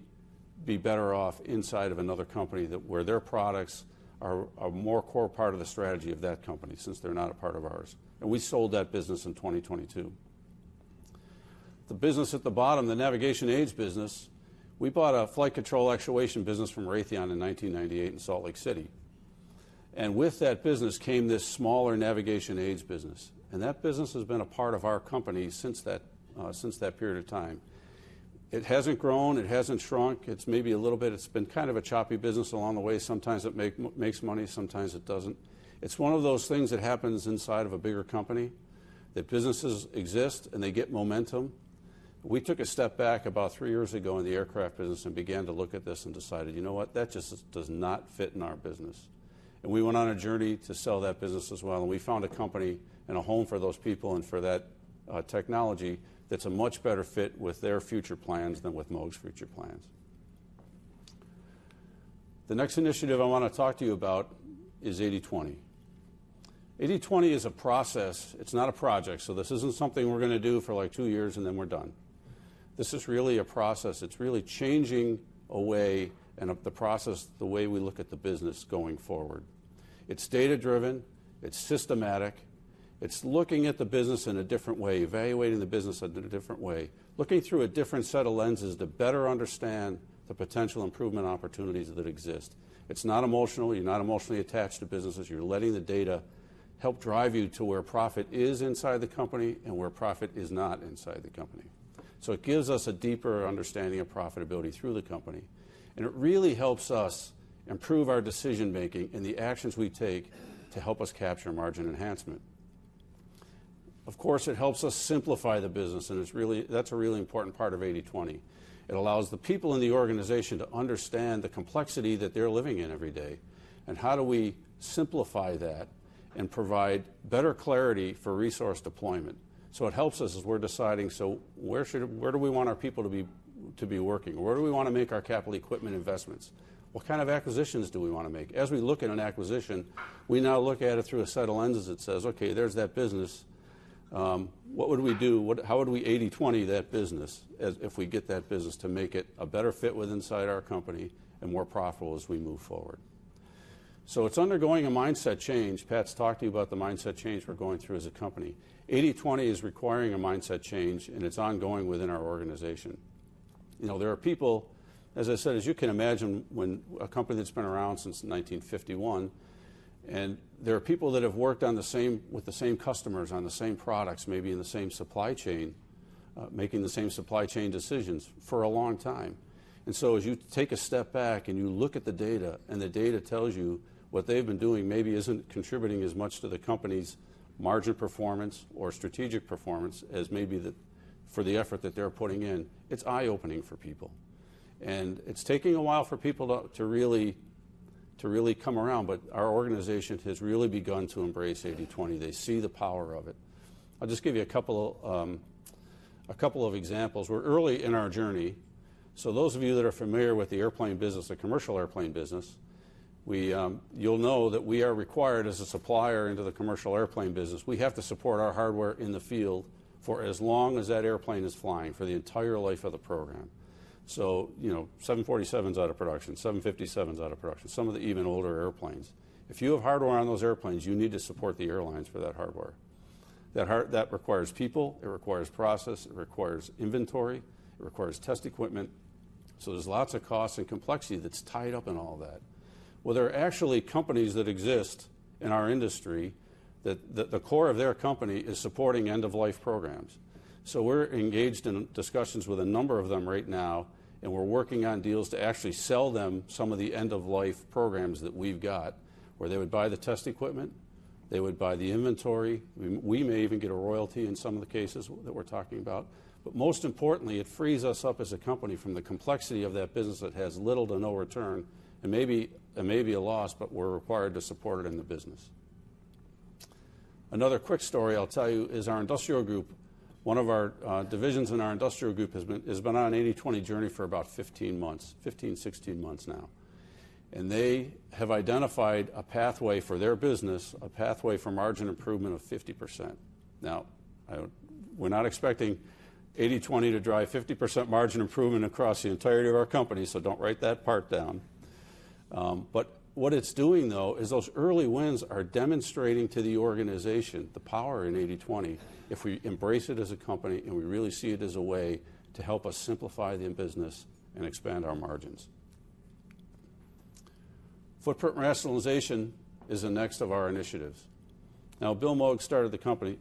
be better off inside of another company that where their products are more core part of the strategy of that company, since they're not a part of ours, and we sold that business in 2022. The business at the bottom, the navigation aids business, we bought a flight control actuation business from Raytheon in 1998 in Salt Lake City. With that business came this smaller navigation aids business, that business has been a part of our company since that period of time. It hasn't grown, it hasn't shrunk. It's maybe a little bit. It's been kind of a choppy business along the way. Sometimes it makes money, sometimes it doesn't. It's one of those things that happens inside of a bigger company, that businesses exist, and they get momentum. We took a step back about three years ago in the aircraft business and began to look at this and decided, you know what? That just does not fit in our business. We went on a journey to sell that business as well, and we found a company and a home for those people and for that technology that's a much better fit with their future plans than with Moog's future plans. The next initiative I want to talk to you about is 80/20. 80/20 is a process. It's not a project, so this isn't something we're going to do for, like, two years, and then we're done. This is really a process. It's really changing the way we look at the business going forward. It's data-driven, it's systematic, it's looking at the business in a different way, evaluating the business in a different way, looking through a different set of lenses to better understand the potential improvement opportunities that exist. It's not emotional. You're not emotionally attached to businesses. You're letting the data help drive you to where profit is inside the company and where profit is not inside the company. It gives us a deeper understanding of profitability through the company, and it really helps us improve our decision-making and the actions we take to help us capture margin enhancement. Of course, it helps us simplify the business, and that's a really important part of 80/20. It allows the people in the organization to understand the complexity that they're living in every day, and how do we simplify that and provide better clarity for resource deployment? It helps us as we're deciding, where do we want our people to be working? Where do we want to make our capital equipment investments? What kind of acquisitions do we want to make? As we look at an acquisition, we now look at it through a set of lenses that says, "Okay, there's that business. What would we do? How would we 80/20 that business as if we get that business to make it a better fit with inside our company and more profitable as we move forward? It's undergoing a mindset change. Pat's talked to you about the mindset change we're going through as a company. 80/20 is requiring a mindset change, and it's ongoing within our organization. You know, there are people, as I said, as you can imagine, when a company that's been around since 1951, and there are people that have worked on the same, with the same customers, on the same products, maybe in the same supply chain, making the same supply chain decisions for a long time. As you take a step back and you look at the data, and the data tells you what they've been doing maybe isn't contributing as much to the company's margin performance or strategic performance as maybe for the effort that they're putting in, it's eye-opening for people. It's taking a while for people to really come around, but our organization has really begun to embrace 80/20. They see the power of it. I'll just give you a couple of examples. We're early in our journey, so those of you that are familiar with the airplane business, the commercial airplane business, you'll know that we are required as a supplier into the commercial airplane business, we have to support our hardware in the field for as long as that airplane is flying, for the entire life of the program. You know, 747s out of production, 757s out of production, some of the even older airplanes. If you have hardware on those airplanes, you need to support the airlines for that hardware. That requires people, it requires process, it requires inventory, it requires test equipment, so there's lots of costs and complexity that's tied up in all that. Well, there are actually companies that exist in our industry that the core of their company is supporting end-of-life programs. We're engaged in discussions with a number of them right now, and we're working on deals to actually sell them some of the end-of-life programs that we've got, where they would buy the test equipment, they would buy the inventory. We may even get a royalty in some of the cases that we're talking about. Most importantly, it frees us up as a company from the complexity of that business that has little to no return and maybe a loss. We're required to support it in the business. Another quick story I'll tell you is our Industrial Group. One of our divisions in our Industrial Group has been on an 80/20 journey for about 15 months, 16 months now. They have identified a pathway for their business, a pathway for margin improvement of 50%. I don't we're not expecting 80/20 to drive 50% margin improvement across the entirety of our company. Don't write that part down. What it's doing, though, is those early wins are demonstrating to the organization the power in 80/20, if we embrace it as a company and we really see it as a way to help us simplify the business and expand our margins. Footprint rationalization is the next of our initiatives. Now, Bill Moog started the company.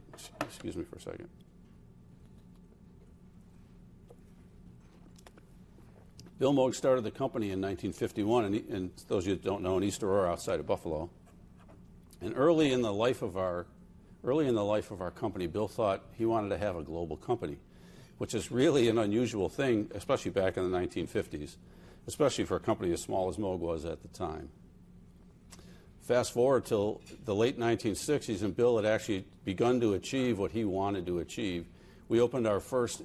Bill Moog started the company in 1951, and he, and those of you that don't know, in East Aurora, outside of Buffalo. Early in the life of our company, Bill thought he wanted to have a global company, which is really an unusual thing, especially back in the 1950s, especially for a company as small as Moog was at the time. Fast-forward till the late 1960s. Bill had actually begun to achieve what he wanted to achieve. We opened our first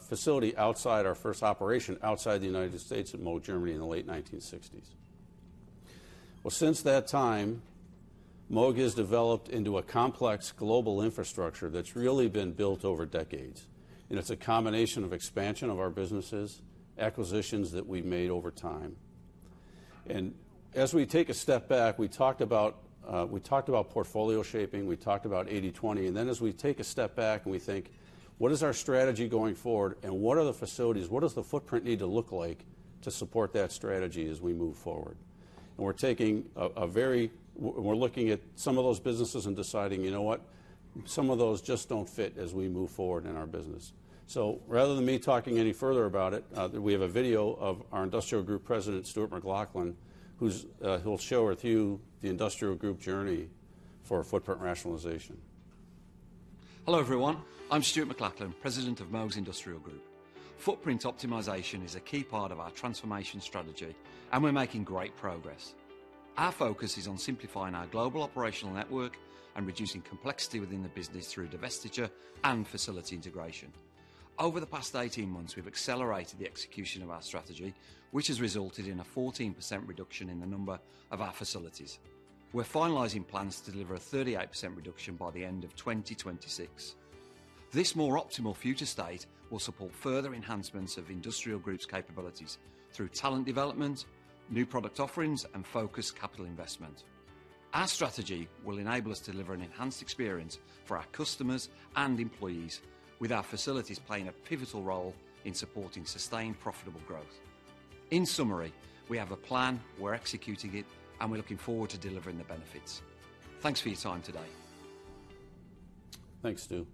facility outside our first operation, outside the United States, in Moog Germany, in the late 1960s. Well, since that time, Moog has developed into a complex global infrastructure that's really been built over decades. It's a combination of expansion of our businesses, acquisitions that we've made over time. As we take a step back, we talked about portfolio shaping, we talked about 80/20, and then as we take a step back and we think, "What is our strategy going forward, and what are the facilities, what does the footprint need to look like to support that strategy as we move forward?" We're looking at some of those businesses and deciding, you know what? Some of those just don't fit as we move forward in our business. Rather than me talking any further about it, we have a video of our Industrial Group President, Stuart McLachlan, who will share with you the Industrial Group journey for footprint rationalization. Hello, everyone. I'm Stuart McLachlan, President of Moog's Industrial Group. Footprint optimization is a key part of our transformation strategy. We're making great progress. Our focus is on simplifying our global operational network and reducing complexity within the business through divestiture and facility integration. Over the past 18 months, we've accelerated the execution of our strategy, which has resulted in a 14% reduction in the number of our facilities. We're finalizing plans to deliver a 38% reduction by the end of 2026. This more optimal future state will support further enhancements of Industrial Group's capabilities through talent development, new product offerings, and focused capital investment. Our strategy will enable us to deliver an enhanced experience for our customers and employees, with our facilities playing a pivotal role in supporting sustained, profitable growth. In summary, we have a plan, we're executing it, and we're looking forward to delivering the benefits. Thanks for your time today. Thanks, Stu.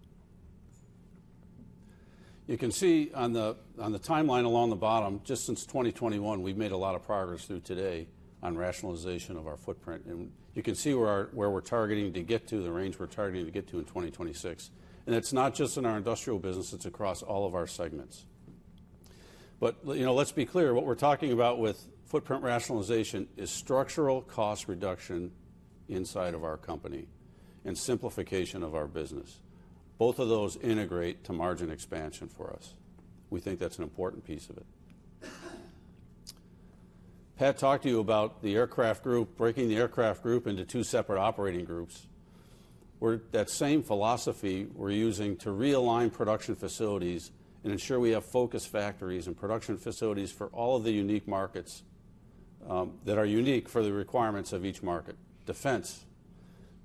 You can see on the timeline along the bottom, just since 2021, we've made a lot of progress through today on rationalization of our footprint, and you can see where our, where we're targeting to get to, the range we're targeting to get to in 2026. You know, let's be clear. What we're talking about with footprint rationalization is structural cost reduction inside of our company and simplification of our business. Both of those integrate to margin expansion for us. We think that's an important piece of it. Pat talked to you about the Aircraft Group, breaking the Aircraft Group into two separate operating groups, where that same philosophy we're using to realign production facilities and ensure we have focus factories and production facilities for all of the unique markets that are unique for the requirements of each market. Defense,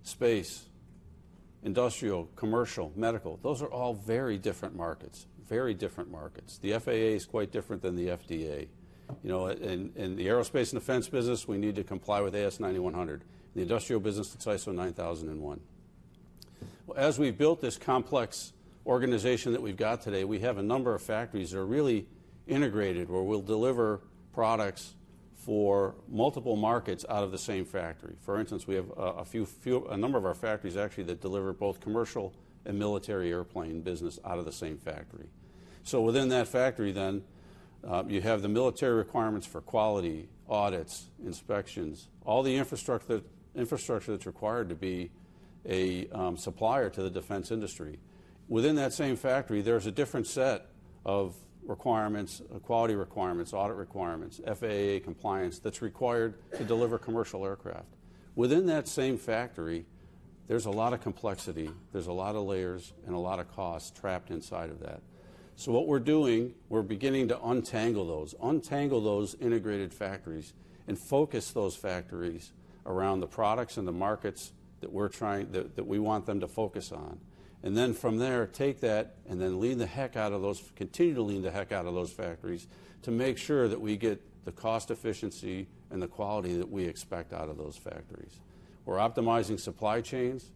space, industrial, commercial, medical, those are all very different markets, very different markets. The FAA is quite different than the FDA. You know, in the aerospace and defense business, we need to comply with AS9100, the industrial business, it's ISO 9001. Well, as we built this complex organization that we've got today, we have a number of factories that are really integrated, where we'll deliver products for multiple markets out of the same factory. For instance, we have a number of our factories, actually, that deliver both commercial and military airplane business out of the same factory. Within that factory then, you have the military requirements for quality, audits, inspections, all the infrastructure that's required to be a supplier to the defense industry. Within that same factory, there's a different set of requirements, quality requirements, audit requirements, FAA compliance, that's required to deliver commercial aircraft. Within that same factory, there's a lot of complexity, there's a lot of layers, and a lot of costs trapped inside of that. What we're doing, we're beginning to untangle those integrated factories and focus those factories around the products and the markets that we're trying, that we want them to focus on. From there, take that and then lean the heck out of those, continue to lean the heck out of those factories to make sure that we get the cost efficiency and the quality that we expect out of those factories. We're optimizing supply chains,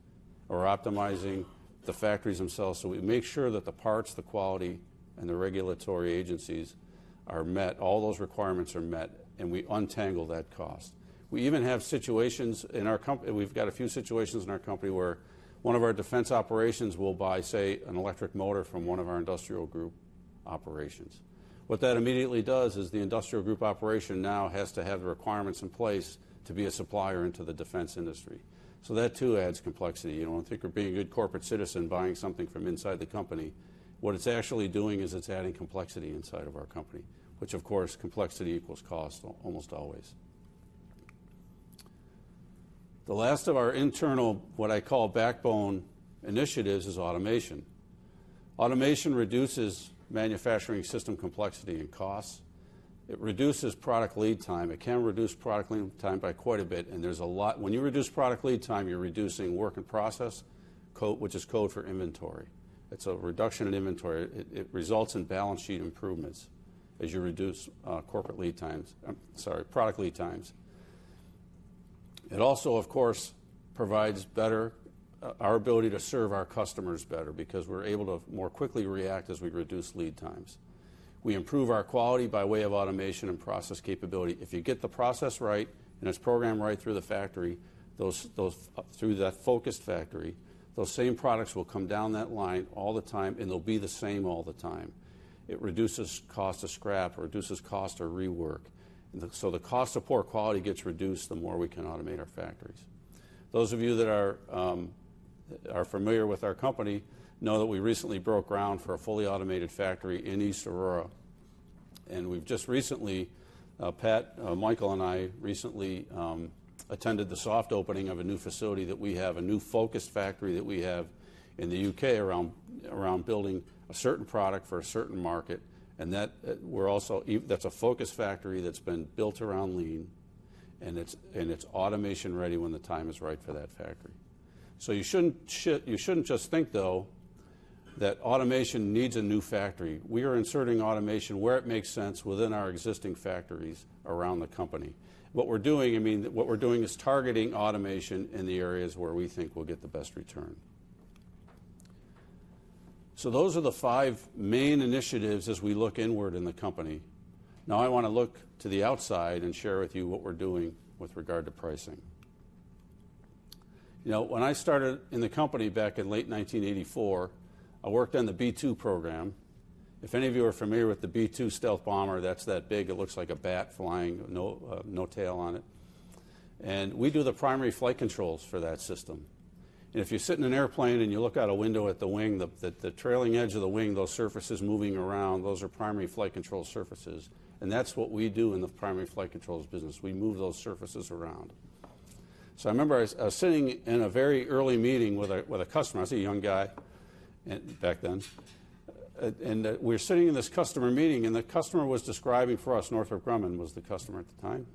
we're optimizing the factories themselves, so we make sure that the parts, the quality, and the regulatory agencies are met, all those requirements are met, and we untangle that cost. We even have situations in our company where one of our defense operations will buy, say, an electric motor from one of our Industrial Group operations. What that immediately does is the Industrial Group operation now has to have the requirements in place to be a supplier into the defense industry. That, too, adds complexity. You know, I think we're being a good corporate citizen, buying something from inside the company. What it's actually doing is it's adding complexity inside of our company, which of course, complexity equals cost almost always. The last of our internal, what I call backbone initiatives, is automation. Automation reduces manufacturing system complexity and costs. It reduces product lead time. It can reduce product lead time by quite a bit. When you reduce product lead time, you're reducing work in process, code, which is code for inventory. It's a reduction in inventory. It results in balance sheet improvements as you reduce corporate lead times, sorry, product lead times. It also, of course, provides better our ability to serve our customers better because we're able to more quickly react as we reduce lead times. We improve our quality by way of automation and process capability. If you get the process right, and it's programmed right through the factory, those through that focused factory, those same products will come down that line all the time, and they'll be the same all the time. It reduces cost of scrap, reduces cost of rework. The cost of poor quality gets reduced, the more we can automate our factories. Those of you that are familiar with our company know that we recently broke ground for a fully automated factory in East Aurora. We've just recently, Pat, Michael, and I recently attended the soft opening of a new facility that we have, a new focus factory that we have in the UK around building a certain product for a certain market. That's a focus factory that's been built around lean, and it's automation ready when the time is right for that factory. You shouldn't just think, though, that automation needs a new factory. We are inserting automation where it makes sense within our existing factories around the company. What we're doing, I mean, what we're doing is targeting automation in the areas where we think we'll get the best return. Those are the five main initiatives as we look inward in the company. Now, I want to look to the outside and share with you what we're doing with regard to pricing. You know, when I started in the company back in late 1984, I worked on the B-2 program. If any of you are familiar with the B-2 Stealth Bomber, that's that big, it looks like a bat flying, no tail on it. We do the primary flight controls for that system. If you sit in an airplane and you look out a window at the wing, the trailing edge of the wing, those surfaces moving around, those are primary flight control surfaces, and that's what we do in the primary flight controls business. We move those surfaces around. I remember I was sitting in a very early meeting with a customer. I was a young guy back then, we were sitting in this customer meeting, and the customer was describing for us, Northrop Grumman was the customer at the time.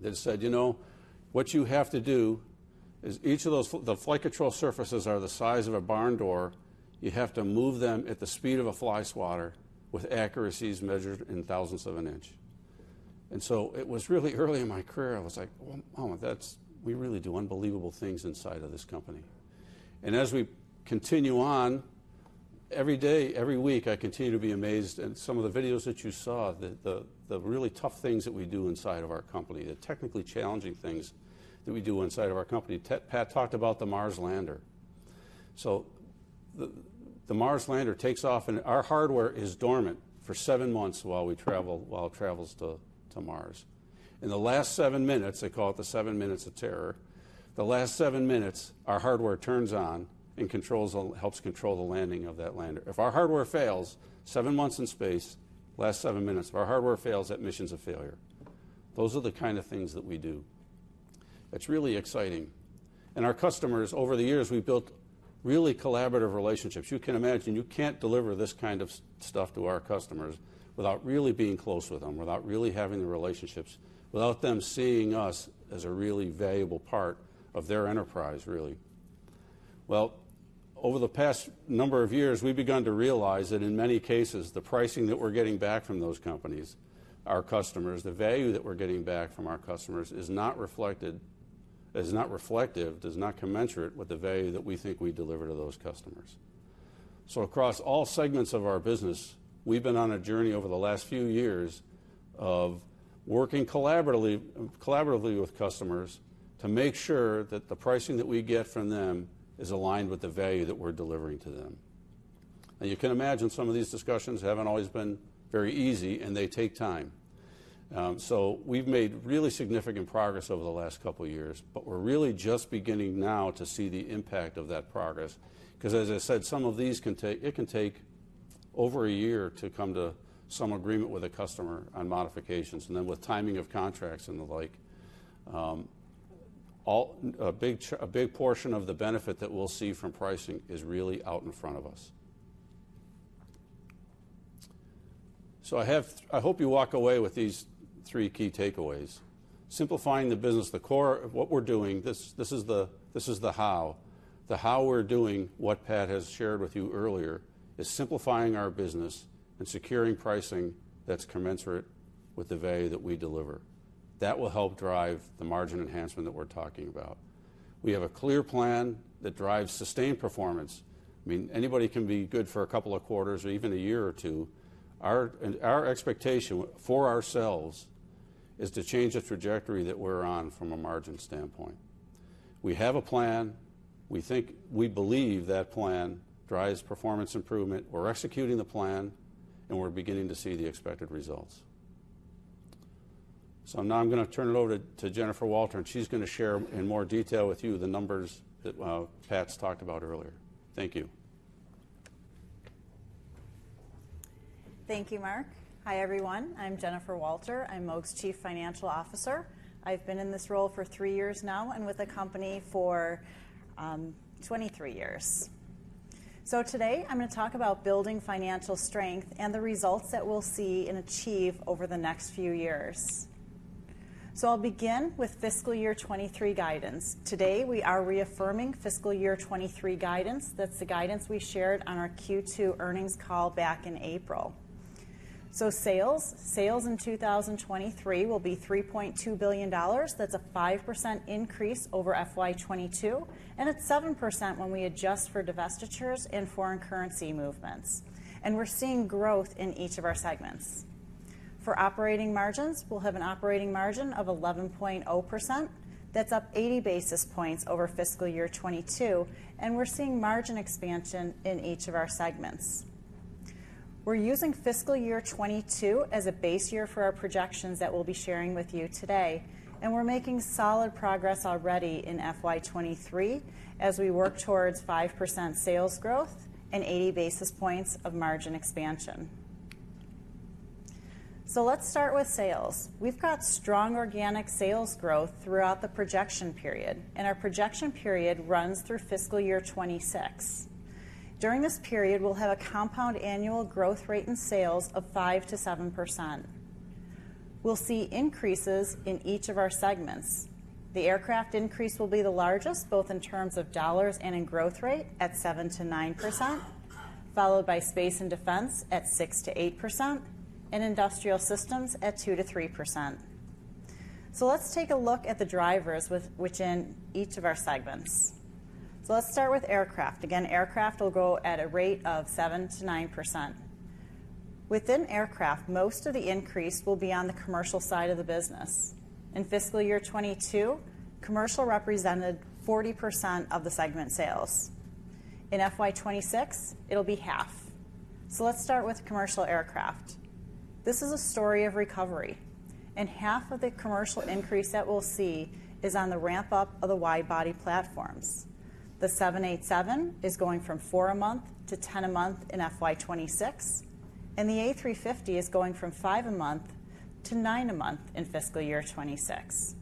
They said: "You know, what you have to do is each of those the flight control surfaces are the size of a barn door. You have to move them at the speed of a fly swatter with accuracies measured in thousandths of an inch." It was really early in my career. I was like, "Well, oh, that's... We really do unbelievable things inside of this company. As we continue on, every day, every week, I continue to be amazed at some of the videos that you saw, the really tough things that we do inside of our company, the technically challenging things that we do inside of our company. Pat talked about the Mars Lander. The Mars Lander takes off, and our hardware is dormant for seven months while we travel, while it travels to Mars. In the last seven minutes, they call it the seven minutes of terror, the last seven minutes, our hardware turns on and helps control the landing of that lander. If our hardware fails, seven months in space, last seven minutes, if our hardware fails, that mission's a failure. Those are the kind of things that we do. It's really exciting. Our customers, over the years, we've built really collaborative relationships. You can imagine, you can't deliver this kind of stuff to our customers without really being close with them, without really having the relationships, without them seeing us as a really valuable part of their enterprise, really. Over the past number of years, we've begun to realize that in many cases, the pricing that we're getting back from those companies, our customers, the value that we're getting back from our customers is not reflected, is not reflective, does not commensurate with the value that we think we deliver to those customers. Across all segments of our business, we've been on a journey over the last few years of working collaboratively with customers to make sure that the pricing that we get from them is aligned with the value that we're delivering to them. You can imagine some of these discussions haven't always been very easy, and they take time. We've made really significant progress over the last couple of years, but we're really just beginning now to see the impact of that progress, because, as I said, some of these can take, it can take over a year to come to some agreement with a customer on modifications, and then with timing of contracts and the like, a big portion of the benefit that we'll see from pricing is really out in front of us. I hope you walk away with these three key takeaways. Simplifying the business, the core of what we're doing, this is the how. The how we're doing what Pat Roche has shared with you earlier, is simplifying our business and securing pricing that's commensurate with the value that we deliver. That will help drive the margin enhancement that we're talking about. We have a clear plan that drives sustained performance. I mean, anybody can be good for a couple of quarters or even a year or two. Our expectation for ourselves is to change the trajectory that we're on from a margin standpoint. We have a plan. We believe that plan drives performance improvement. We're executing the plan, and we're beginning to see the expected results. Now I'm going to turn it over to Jennifer Walter, and she's going to share in more detail with you the numbers that Pat Roche's talked about earlier. Thank you. Thank you, Mark. Hi, everyone. I'm Jennifer Walter. I'm Moog's Chief Financial Officer. I've been in this role for three years now and with the company for 23 years. Today I'm going to talk about building financial strength and the results that we'll see and achieve over the next few years. I'll begin with fiscal year 2023 guidance. Today, we are reaffirming fiscal year 2023 guidance. That's the guidance we shared on our Q2 earnings call back in April. Sales in 2023 will be $3.2 billion. That's a 5% increase over FY 2022, and it's 7% when we adjust for divestitures and foreign currency movements. We're seeing growth in each of our segments. For operating margins, we'll have an operating margin of 11.0%. That's up 80 basis points over fiscal year 2022. We're seeing margin expansion in each of our segments. We're using fiscal year 2022 as a base year for our projections that we'll be sharing with you today. We're making solid progress already in FY 2023 as we work towards 5% sales growth and 80 basis points of margin expansion. Let's start with sales. We've got strong organic sales growth throughout the projection period. Our projection period runs through fiscal year 2026. During this period, we'll have a compound annual growth rate in sales of 5%-7%. We'll see increases in each of our segments. The Aircraft increase will be the largest, both in terms of dollars and in growth rate at 7%-9%, followed by Space and Defense at 6%-8% and Industrial Systems at 2%-3%. Let's take a look at the drivers within each of our segments. Let's start with Aircraft. Again, Aircraft will grow at a rate of 7%-9%. Within Aircraft, most of the increase will be on the commercial side of the business. In fiscal year 2022, commercial represented 40% of the segment sales. In FY 2026, it'll be half. Let's start with Commercial Aircraft. This is a story of recovery, half of the commercial increase that we'll see is on the ramp-up of the wide-body platforms. The 787 is going from four a month to ten a month in FY 2026, and the A350 is going from five a month to nine a month in fiscal year 2026.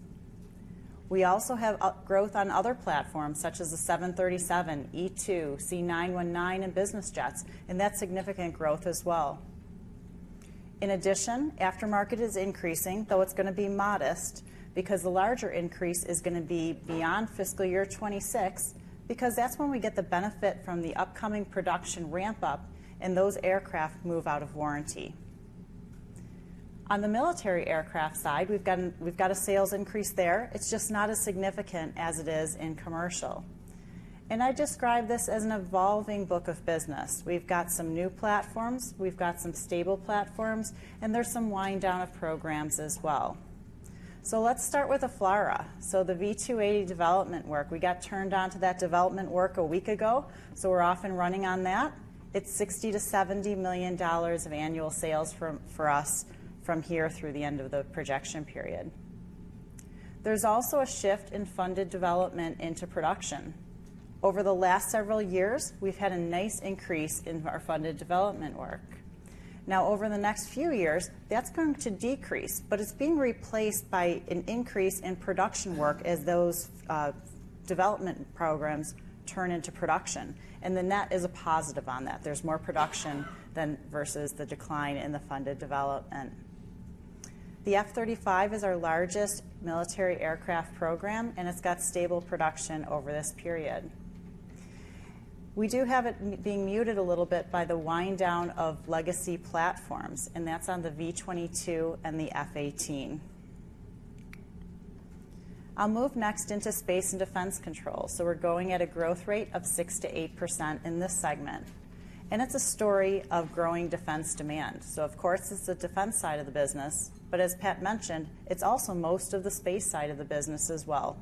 We also have up growth on other platforms, such as the 737, E2, C919, and business jets, and that's significant growth as well. In addition, aftermarket is increasing, though it's going to be modest because the larger increase is going to be beyond fiscal year 2026, because that's when we get the benefit from the upcoming production ramp-up and those aircraft move out of warranty. On the military aircraft side, we've got a sales increase there. It's just not as significant as it is in commercial. I describe this as an evolving book of business. We've got some new platforms, we've got some stable platforms, and there's some wind down of programs as well. Let's start with the FLRAA. The V-280 development work, we got turned on to that development work a week ago, so we're off and running on that. It's $60 million-$70 million of annual sales for us from here through the end of the projection period. There's also a shift in funded development into production. Over the last several years, we've had a nice increase in our funded development work. Now, over the next few years, that's going to decrease, but it's being replaced by an increase in production work as those development programs turn into production, and the net is a positive on that. There's more production than versus the decline in the funded development. The F-35 is our largest military aircraft program, and it's got stable production over this period. We do have it being muted a little bit by the wind down of legacy platforms, and that's on the V-22 and the F-18. I'll move next into space and defense control. We're growing at a growth rate of 6%-8% in this segment, and it's a story of growing defense demand. Of course, it's the defense side of the business, but as Pat mentioned, it's also most of the space side of the business as well.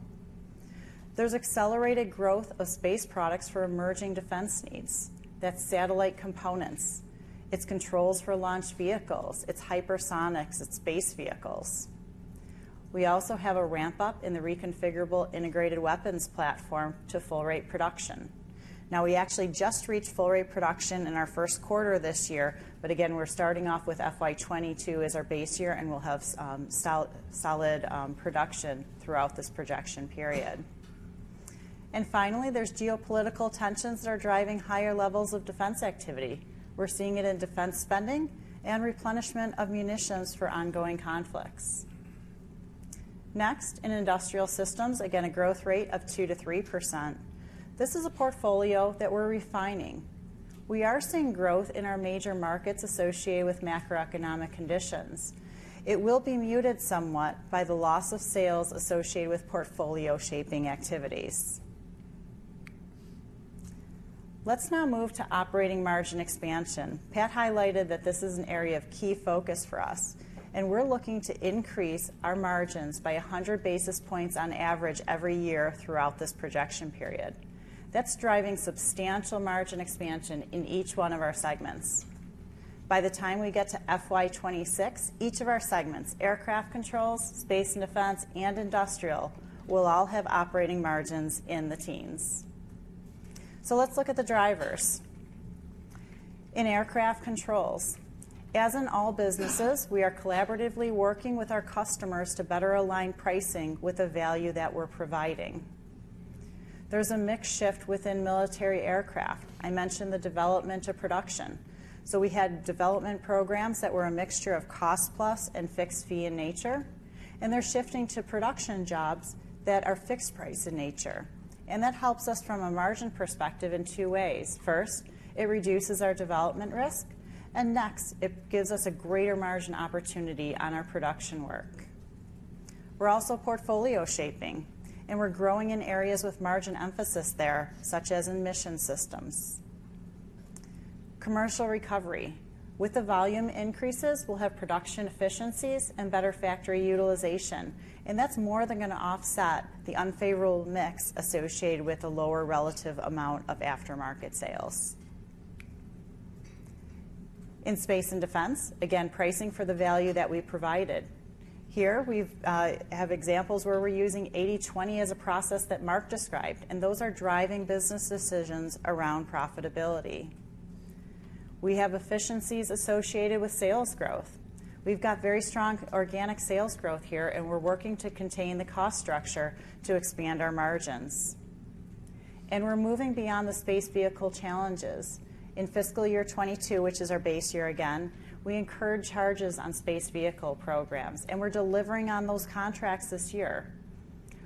There's accelerated growth of space products for emerging defense needs. That's satellite components, it's controls for launch vehicles, it's hypersonics, it's space vehicles. We also have a ramp-up in the Reconfigurable Integrated Weapons Platform to full rate production. Now, we actually just reached full rate production in our first quarter this year, but again, we're starting off with FY 2022 as our base year, and we'll have solid production throughout this projection period. Finally, there's geopolitical tensions that are driving higher levels of defense activity. We're seeing it in defense spending and replenishment of munitions for ongoing conflicts. Next, in Industrial Systems, again, a growth rate of 2%-3%. This is a portfolio that we're refining. We are seeing growth in our major markets associated with macroeconomic conditions. It will be muted somewhat by the loss of sales associated with portfolio shaping activities. Let's now move to operating margin expansion. Pat highlighted that this is an area of key focus for us, and we're looking to increase our margins by 100 basis points on average every year throughout this projection period. That's driving substantial margin expansion in each one of our segments. By the time we get to FY 2026, each of our segments, Aircraft Controls, Space and Defense, and Industrial, will all have operating margins in the teens. Let's look at the drivers. In Aircraft Controls, as in all businesses, we are collaboratively working with our customers to better align pricing with the value that we're providing. There's a mix shift within military aircraft. I mentioned the development to production. We had development programs that were a mixture of cost plus and fixed fee in nature, and they're shifting to production jobs that are fixed price in nature. That helps us from a margin perspective in two ways. First, it reduces our development risk, and next, it gives us a greater margin opportunity on our production work. We're also portfolio shaping, and we're growing in areas with margin emphasis there, such as in mission systems. Commercial recovery. With the volume increases, we'll have production efficiencies and better factory utilization, and that's more than going to offset the unfavorable mix associated with a lower relative amount of aftermarket sales. In Space and Defense, again, pricing for the value that we provided. Here we've have examples where we're using 80/20 as a process that Mark described, and those are driving business decisions around profitability. We have efficiencies associated with sales growth. We've got very strong organic sales growth here, and we're working to contain the cost structure to expand our margins. We're moving beyond the space vehicle challenges. In fiscal year 22, which is our base year again, we incurred charges on space vehicle programs, and we're delivering on those contracts this year.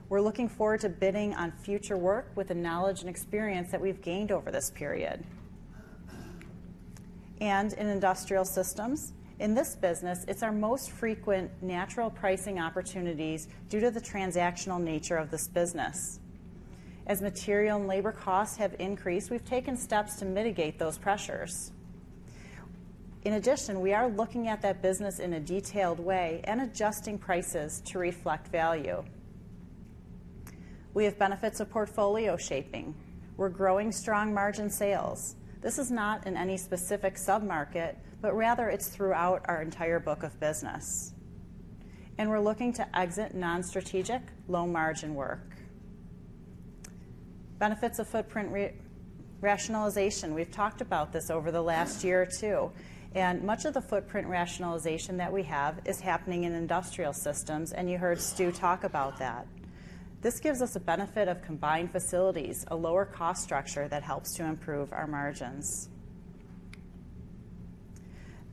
We're looking forward to bidding on future work with the knowledge and experience that we've gained over this period. In Industrial Systems, in this business, it's our most frequent natural pricing opportunities due to the transactional nature of this business. As material and labor costs have increased, we've taken steps to mitigate those pressures. We are looking at that business in a detailed way and adjusting prices to reflect value. We have benefits of portfolio shaping. We're growing strong margin sales. This is not in any specific submarket, but rather it's throughout our entire book of business, and we're looking to exit non-strategic, low-margin work. Benefits of footprint rationalization. We've talked about this over the last year or two, and much of the footprint rationalization that we have is happening in Industrial Systems, and you heard Stu talk about that. This gives us a benefit of combined facilities, a lower cost structure that helps to improve our margins.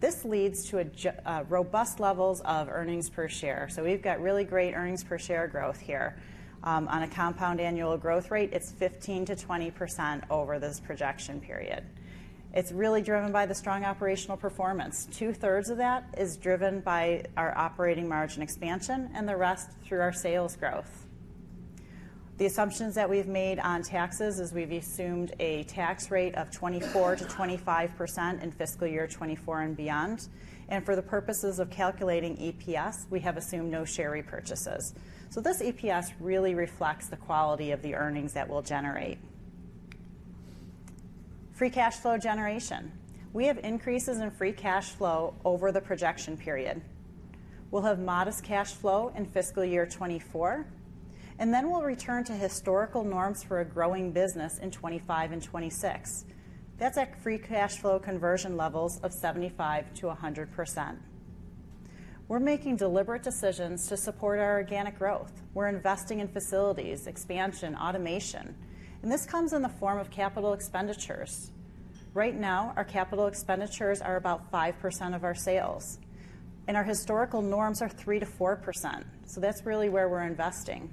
This leads to a robust levels of earnings per share. We've got really great earnings per share growth here. On a compound annual growth rate, it's 15%-20% over this projection period. It's really driven by the strong operational performance. Two-thirds of that is driven by our operating margin expansion and the rest through our sales growth. The assumptions that we've made on taxes is we've assumed a tax rate of 24%-25% in fiscal year 2024 and beyond. For the purposes of calculating EPS, we have assumed no share repurchases. This EPS really reflects the quality of the earnings that we'll generate. Free cash flow generation. We have increases in free cash flow over the projection period. We'll have modest cash flow in fiscal year 2024, and then we'll return to historical norms for a growing business in 2025 and 2026. That's at free cash flow conversion levels of 75%-100%. We're making deliberate decisions to support our organic growth. We're investing in facilities, expansion, automation. This comes in the form of CapEx. Right now, our CapEx are about 5% of our sales, and our historical norms are 3%-4%. That's really where we're investing.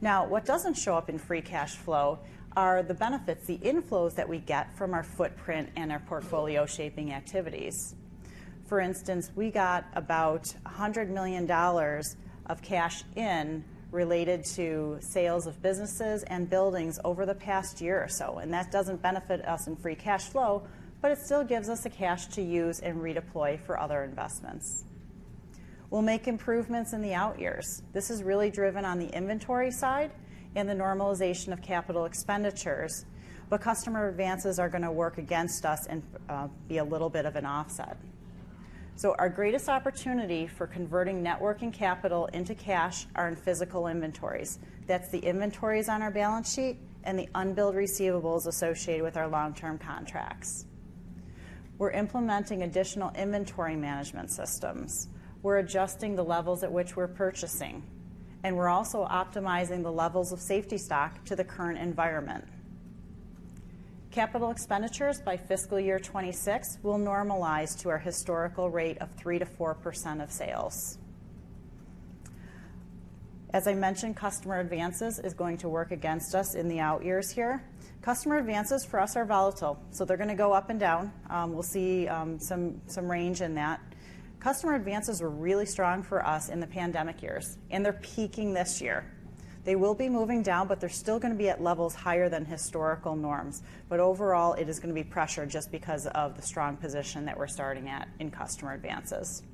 Now, what doesn't show up in free cash flow are the benefits, the inflows that we get from our footprint and our portfolio shaping activities. For instance, we got about $100 million of cash in related to sales of businesses and buildings over the past year or so. That doesn't benefit us in free cash flow, but it still gives us the cash to use and redeploy for other investments. We'll make improvements in the out years. This is really driven on the inventory side and the normalization of capital expenditures, customer advances are going to work against us and be a little bit of an offset. Our greatest opportunity for converting net working capital into cash are in physical inventories. That's the inventories on our balance sheet and the unbilled receivables associated with our long-term contracts. We're implementing additional inventory management systems. We're adjusting the levels at which we're purchasing, and we're also optimizing the levels of safety stock to the current environment. Capital expenditures by fiscal year 26 will normalize to our historical rate of 3%-4% of sales. As I mentioned, customer advances is going to work against us in the out years here. Customer advances for us are volatile, they're going to go up and down. We'll see some range in that. Customer advances were really strong for us in the pandemic years. They're peaking this year. They will be moving down, but they're still gonna be at levels higher than historical norms. Overall, it is gonna be pressure just because of the strong position that we're starting at in customer advances.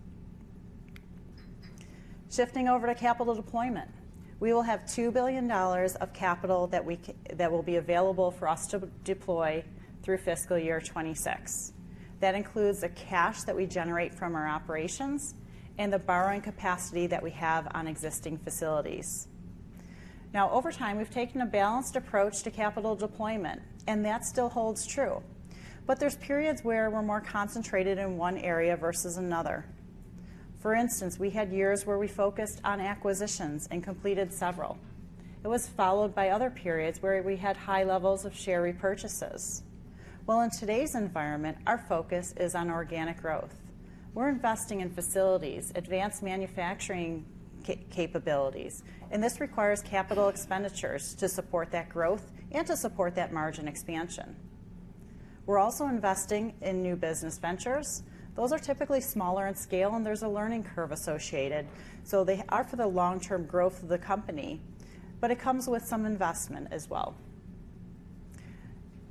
Shifting over to capital deployment, we will have $2 billion of capital that will be available for us to deploy through fiscal year 2026. That includes the cash that we generate from our operations and the borrowing capacity that we have on existing facilities. Over time, we've taken a balanced approach to capital deployment, and that still holds true. There's periods where we're more concentrated in one area versus another. For instance, we had years where we focused on acquisitions and completed several. It was followed by other periods where we had high levels of share repurchases. Well, in today's environment, our focus is on organic growth. We're investing in facilities, advanced manufacturing capabilities, and this requires CapEx to support that growth and to support that margin expansion. We're also investing in new business ventures. Those are typically smaller in scale, and there's a learning curve associated, so they are for the long-term growth of the company, but it comes with some investment as well.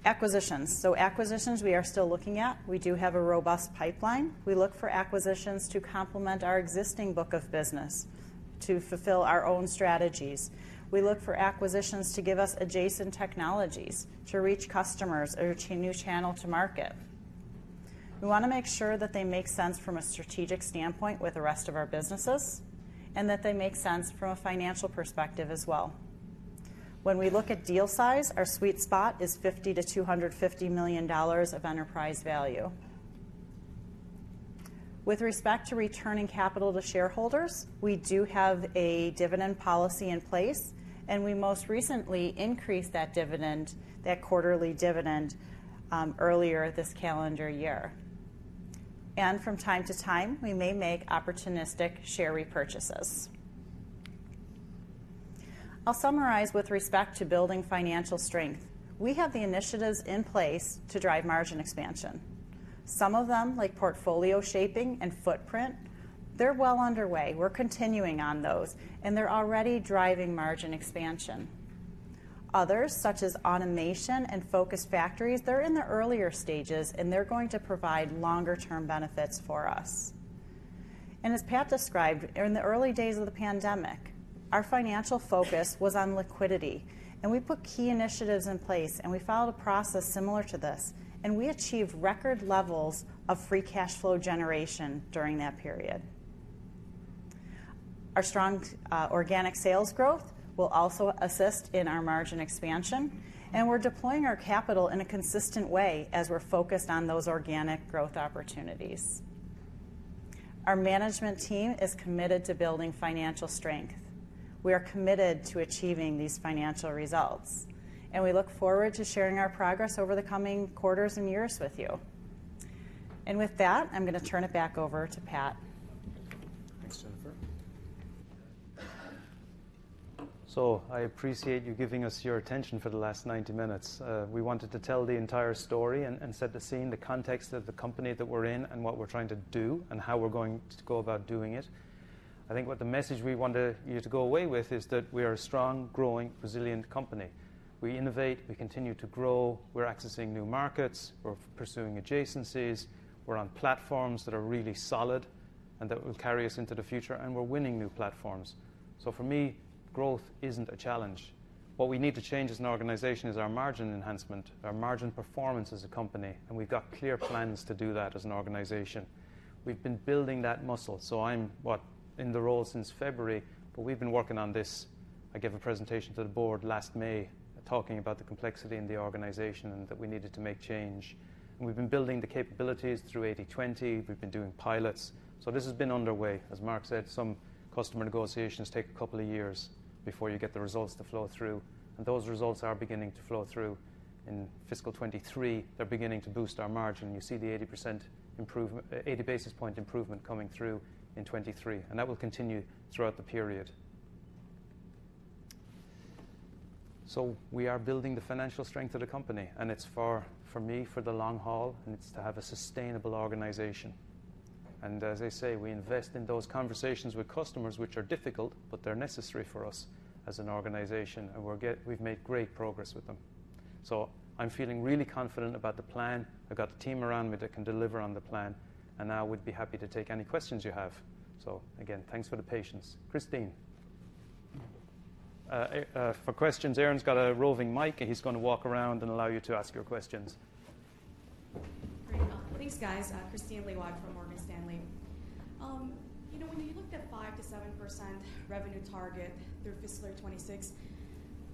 Acquisitions. Acquisitions, we are still looking at. We do have a robust pipeline. We look for acquisitions to complement our existing book of business to fulfill our own strategies. We look for acquisitions to give us adjacent technologies, to reach customers, or to a new channel to market. We wanna make sure that they make sense from a strategic standpoint with the rest of our businesses, that they make sense from a financial perspective as well. When we look at deal size, our sweet spot is $50 million-$250 million of enterprise value. With respect to returning capital to shareholders, we do have a dividend policy in place, we most recently increased that dividend, that quarterly dividend, earlier this calendar year. From time to time, we may make opportunistic share repurchases. I'll summarize with respect to building financial strength. We have the initiatives in place to drive margin expansion. Some of them, like portfolio shaping and footprint, they're well underway. We're continuing on those, they're already driving margin expansion. Others, such as automation and focused factories, they're in the earlier stages, and they're going to provide longer-term benefits for us. As Pat described, in the early days of the pandemic, our financial focus was on liquidity, and we put key initiatives in place, and we followed a process similar to this, and we achieved record levels of free cash flow generation during that period. Our strong organic sales growth will also assist in our margin expansion, and we're deploying our capital in a consistent way as we're focused on those organic growth opportunities. Our management team is committed to building financial strength. We are committed to achieving these financial results, and we look forward to sharing our progress over the coming quarters and years with you. With that, I'm gonna turn it back over to Pat. Thanks, Jennifer. I appreciate you giving us your attention for the last 90 minutes. We wanted to tell the entire story and set the scene, the context of the company that we're in and what we're trying to do and how we're going to go about doing it. I think what the message we want you to go away with is that we are a strong, growing, resilient company. We innovate, we continue to grow, we're accessing new markets, we're pursuing adjacencies, we're on platforms that are really solid and that will carry us into the future, and we're winning new platforms. For me, growth isn't a challenge. What we need to change as an organization is our margin enhancement, our margin performance as a company, and we've got clear plans to do that as an organization. We've been building that muscle, so I'm, what? In the role since February, we've been working on this. I gave a presentation to the board last May, talking about the complexity in the organization and that we needed to make change. We've been building the capabilities through 80/20. We've been doing pilots. This has been underway. As Mark said, some customer negotiations take a couple of years before you get the results to flow through, and those results are beginning to flow through in fiscal 2023. They're beginning to boost our margin. You see the 80 basis point improvement coming through in 2023, and that will continue throughout the period. We are building the financial strength of the company, and it's for me, for the long haul, and it's to have a sustainable organization. As I say, we invest in those conversations with customers, which are difficult, but they're necessary for us as an organization, and we've made great progress with them. I'm feeling really confident about the plan. I've got the team around me that can deliver on the plan, and now we'd be happy to take any questions you have. Again, thanks for the patience. Kristine. For questions, Aaron's got a roving mic, and he's gonna walk around and allow you to ask your questions. Great. Thanks, guys. Kristine Liwag from Morgan Stanley. you know, when you looked at 5%-7% revenue target through fiscal year 2026,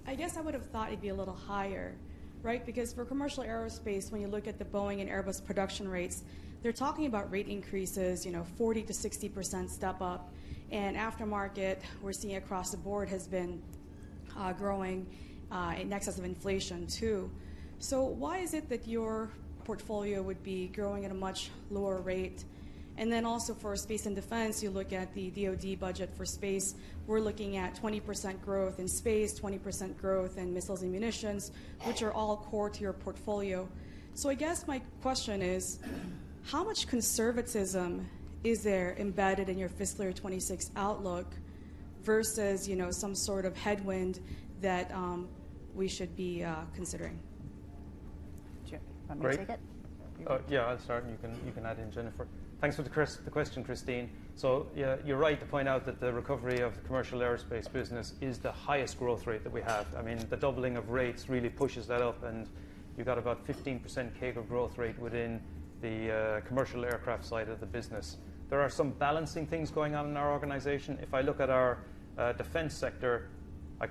I guess I would have thought it'd be a little higher, right? For commercial aerospace, when you look at the Boeing and Airbus production rates, they're talking about rate increases, you know, 40%-60% step-up. Aftermarket, we're seeing across the board, has been growing in excess of inflation, too. Why is it that your portfolio would be growing at a much lower rate? Also for space and defense, you look at the DOD budget for space. We're looking at 20% growth in space, 20% growth in missiles and munitions, which are all core to your portfolio. I guess my question is: How much conservatism is there embedded in your fiscal year 26 outlook versus, you know, some sort of headwind that we should be considering? Sure, want me to take it? Great. Yeah, I'll start, and you can add in, Jennifer. Thanks for the question, Kristine. Yeah, you're right to point out that the recovery of the commercial aerospace business is the highest growth rate that we have. I mean, the doubling of rates really pushes that up, and you've got about 15% CAGR growth rate within the commercial aircraft side of the business. There are some balancing things going on in our organization. If I look at our defense sector, I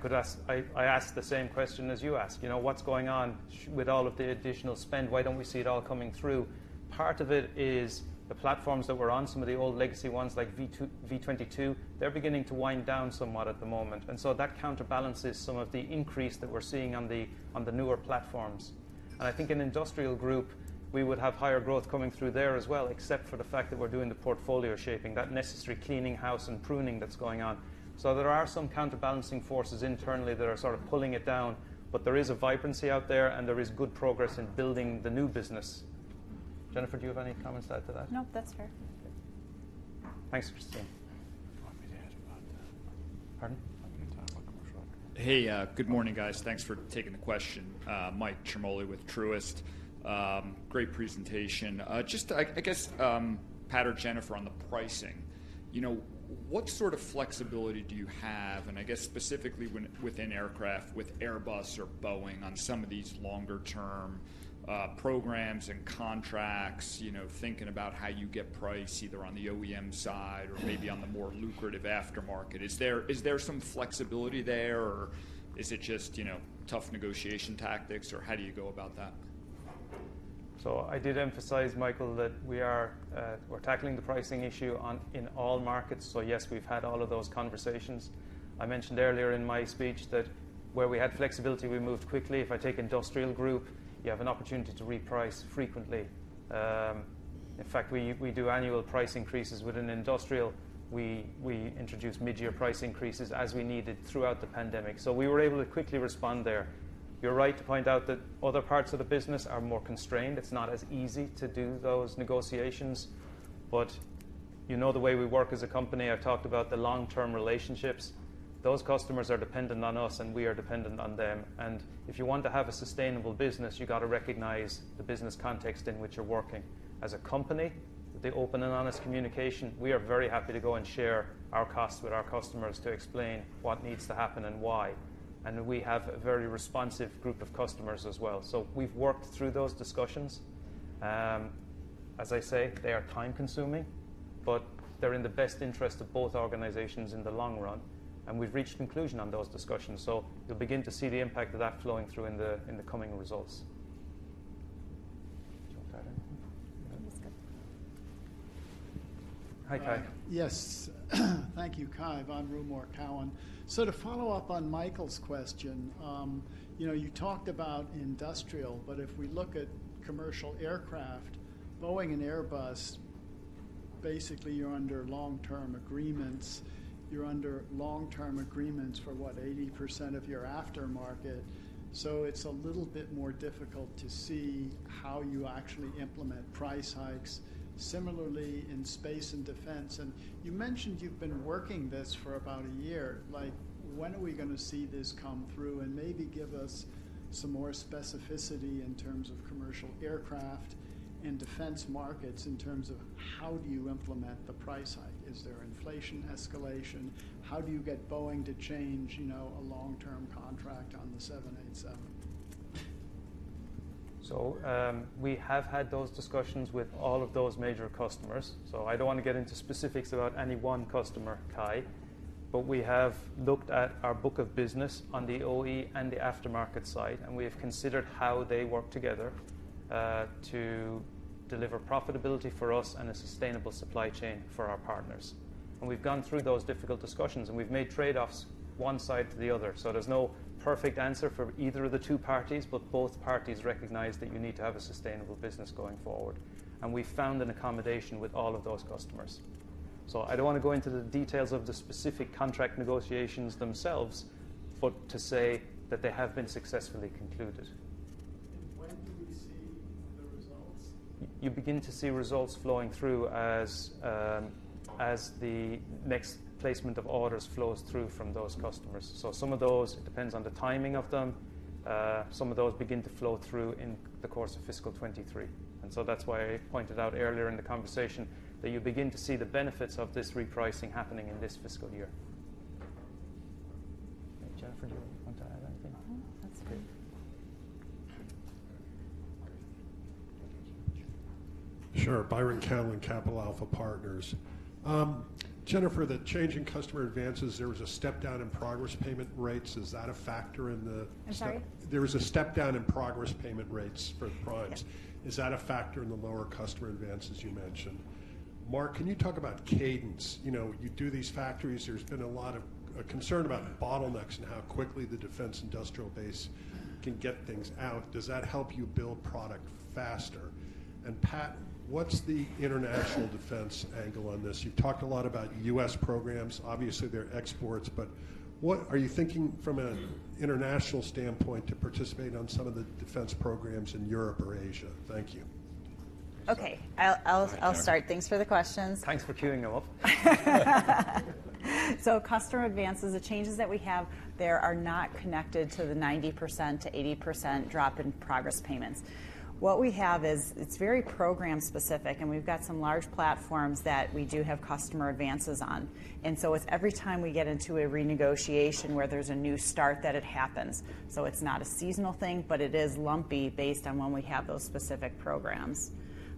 ask the same question as you ask. You know, what's going on with all of the additional spend? Why don't we see it all coming through? Part of it is the platforms that were on some of the old legacy ones, like V-22, they're beginning to wind down somewhat at the moment, and so that counterbalances some of the increase that we're seeing on the newer platforms. I think in Industrial Group, we would have higher growth coming through there as well, except for the fact that we're doing the portfolio shaping, that necessary cleaning house and pruning that's going on. There are some counterbalancing forces internally that are sort of pulling it down, but there is a vibrancy out there, and there is good progress in building the new business. Jennifer, do you have any comments to add to that? Nope, that's fair. Thanks, Kristine. Want me to ask about? Pardon? About commercial. Hey, good morning, guys. Thanks for taking the question. Michael Ciarmoli with Truist. Great presentation. Just I guess, Pat or Jennifer, on the pricing, you know, what sort of flexibility do you have, and I guess specifically when within Aircraft, with Airbus or Boeing, on some of these longer term programs and contracts, you know, thinking about how you get priced either on the OEM side or maybe on the more lucrative aftermarket. Is there some flexibility there, or is it just, you know, tough negotiation tactics, or how do you go about that? I did emphasize, Michael, that we are tackling the pricing issue on, in all markets. Yes, we've had all of those conversations. I mentioned earlier in my speech that where we had flexibility, we moved quickly. If I take Industrial Group, you have an opportunity to reprice frequently. In fact, we do annual price increases within Industrial. We introduce mid-year price increases as we needed throughout the pandemic. We were able to quickly respond there. You're right to point out that other parts of the business are more constrained. It's not as easy to do those negotiations, but you know the way we work as a company, I talked about the long-term relationships. Those customers are dependent on us, and we are dependent on them, and if you want to have a sustainable business, you've got to recognize the business context in which you're working. As a company, with the open and honest communication, we are very happy to go and share our costs with our customers to explain what needs to happen and why. We have a very responsive group of customers as well. We've worked through those discussions. As I say, they are time-consuming, but they're in the best interest of both organizations in the long run, and we've reached conclusion on those discussions. You'll begin to see the impact of that flowing through in the, in the coming results. Do you want to add anything? No, that's good. Hi, Cai. Yes. Thank you. Cai von Rumohr, Cowen. To follow up on Michael's question, you know, you talked about industrial, but if we look at commercial aircraft, Boeing and Airbus, basically, you're under long-term agreements. You're under long-term agreements for what, 80% of your aftermarket? It's a little bit more difficult to see how you actually implement price hikes. Similarly, in space and defense, you mentioned you've been working this for about one year. Like, when are we going to see this come through? Maybe give us some more specificity in terms of commercial aircraft and defense markets, in terms of how do you implement the price hike. Is there inflation escalation? How do you get Boeing to change, you know, a long-term contract on the 787? We have had those discussions with all of those major customers. I don't want to get into specifics about any one customer, Cai. We have looked at our book of business on the OE and the aftermarket side, we have considered how they work together, to deliver profitability for us and a sustainable supply chain for our partners. We've gone through those difficult discussions, we've made trade-offs one side to the other. There's no perfect answer for either of the two parties, but both parties recognize that you need to have a sustainable business going forward. We found an accommodation with all of those customers. I don't want to go into the details of the specific contract negotiations themselves, but to say that they have been successfully concluded. When do we see the results? You begin to see results flowing through as the next placement of orders flows through from those customers. Some of those, it depends on the timing of them. Some of those begin to flow through in the course of fiscal 2023. That's why I pointed out earlier in the conversation that you begin to see the benefits of this repricing happening in this fiscal year. Jennifer, do you want to add anything? No, that's good. Sure. Byron Callan, Capital Alpha Partners. Jennifer, the change in customer advances, there was a step down in progress payment rates. Is that a factor in the? I'm sorry? There was a step down in progress payment rates for the primes. Yep. Is that a factor in the lower customer advances you mentioned? Mark, can you talk about cadence? You know, you do these factories. There's been a lot of concern about bottlenecks and how quickly the defense industrial base can get things out. Does that help you build product faster? Pat, what's the international defense angle on this? You've talked a lot about U.S. programs. Obviously, they're exports, but are you thinking from an international standpoint to participate on some of the defense programs in Europe or Asia? Thank you. Okay, I'll start. Thanks for the questions. Thanks for queuing them up. Customer advances, the changes that we have there are not connected to the 90%-80% drop in progress payments. What we have is, it's very program specific, and we've got some large platforms that we do have customer advances on. It's every time we get into a renegotiation where there's a new start, that it happens. It's not a seasonal thing, but it is lumpy based on when we have those specific programs.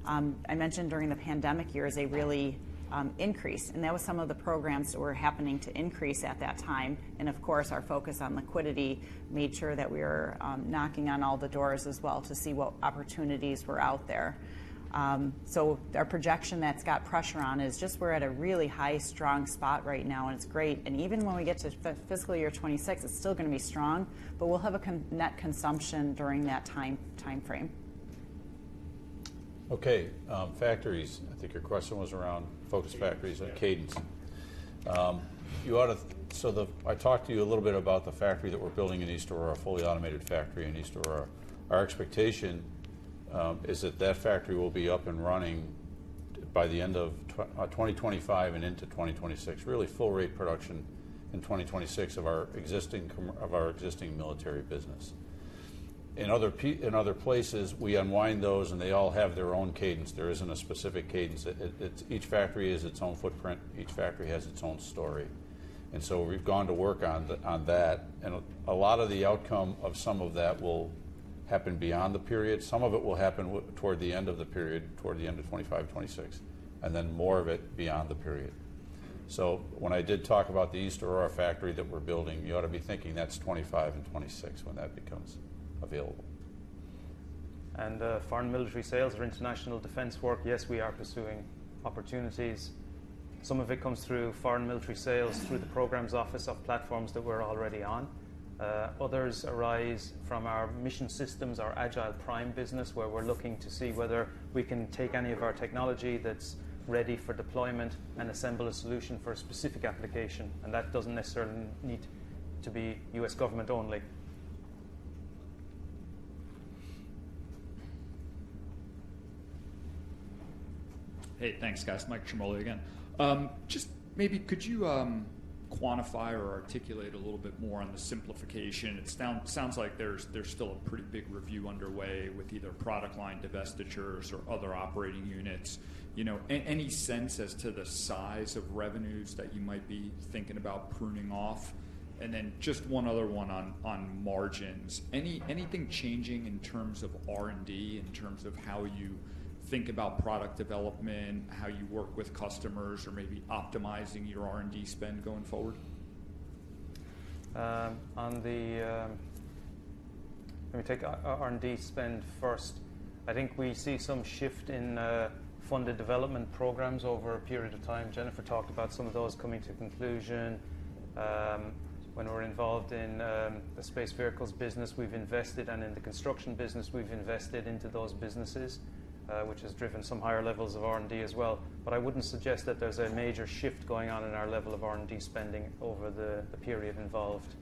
I mentioned during the pandemic year, they really increased, and that was some of the programs that were happening to increase at that time. Of course, our focus on liquidity made sure that we were knocking on all the doors as well to see what opportunities were out there. Our projection that's got pressure on is just we're at a really high, strong spot right now, and it's great. Even when we get to fiscal year 2026, it's still going to be strong, but we'll have a net consumption during that time frame. Okay, factories. I think your question was around focus factories and cadence. You ought to. So the... I talked to you a little bit about the factory that we're building in East Aurora, a fully automated factory in East Aurora. Our expectation is that that factory will be up and running by the end of 2025 and into 2026. Really full rate production in 2026 of our existing of our existing military business. In other places, we unwind those, and they all have their own cadence. There isn't a specific cadence. It's each factory has its own footprint, each factory has its own story, and so we've gone to work on that. A lot of the outcome of some of that will happen beyond the period. Some of it will happen toward the end of the period, toward the end of 2025, 2026, and then more of it beyond the period. When I did talk about the East Aurora factory that we're building, you ought to be thinking that's 2025 and 2026 when that becomes available. Foreign military sales or international defense work, yes, we are pursuing opportunities. Some of it comes through foreign military sales, through the programs office of platforms that we're already on. Others arise from our mission systems, our Agile Prime business, where we're looking to see whether we can take any of our technology that's ready for deployment and assemble a solution for a specific application. That doesn't necessarily need to be U.S. government only. Hey, thanks, guys. Michael Ciarmoli again. Just maybe could you quantify or articulate a little bit more on the simplification? It sounds like there's still a pretty big review underway with either product line divestitures or other operating units. You know, any sense as to the size of revenues that you might be thinking about pruning off? Then just one other one on margins. Anything changing in terms of R&D, in terms of how you think about product development, how you work with customers, or maybe optimizing your R&D spend going forward? Let me take R&D spend first. I think we see some shift in funded development programs over a period of time. Jennifer talked about some of those coming to conclusion. When we're involved in the space vehicles business, we've invested, and in the construction business, we've invested into those businesses, which has driven some higher levels of R&D as well. I wouldn't suggest that there's a major shift going on in our level of R&D spending over the period involved.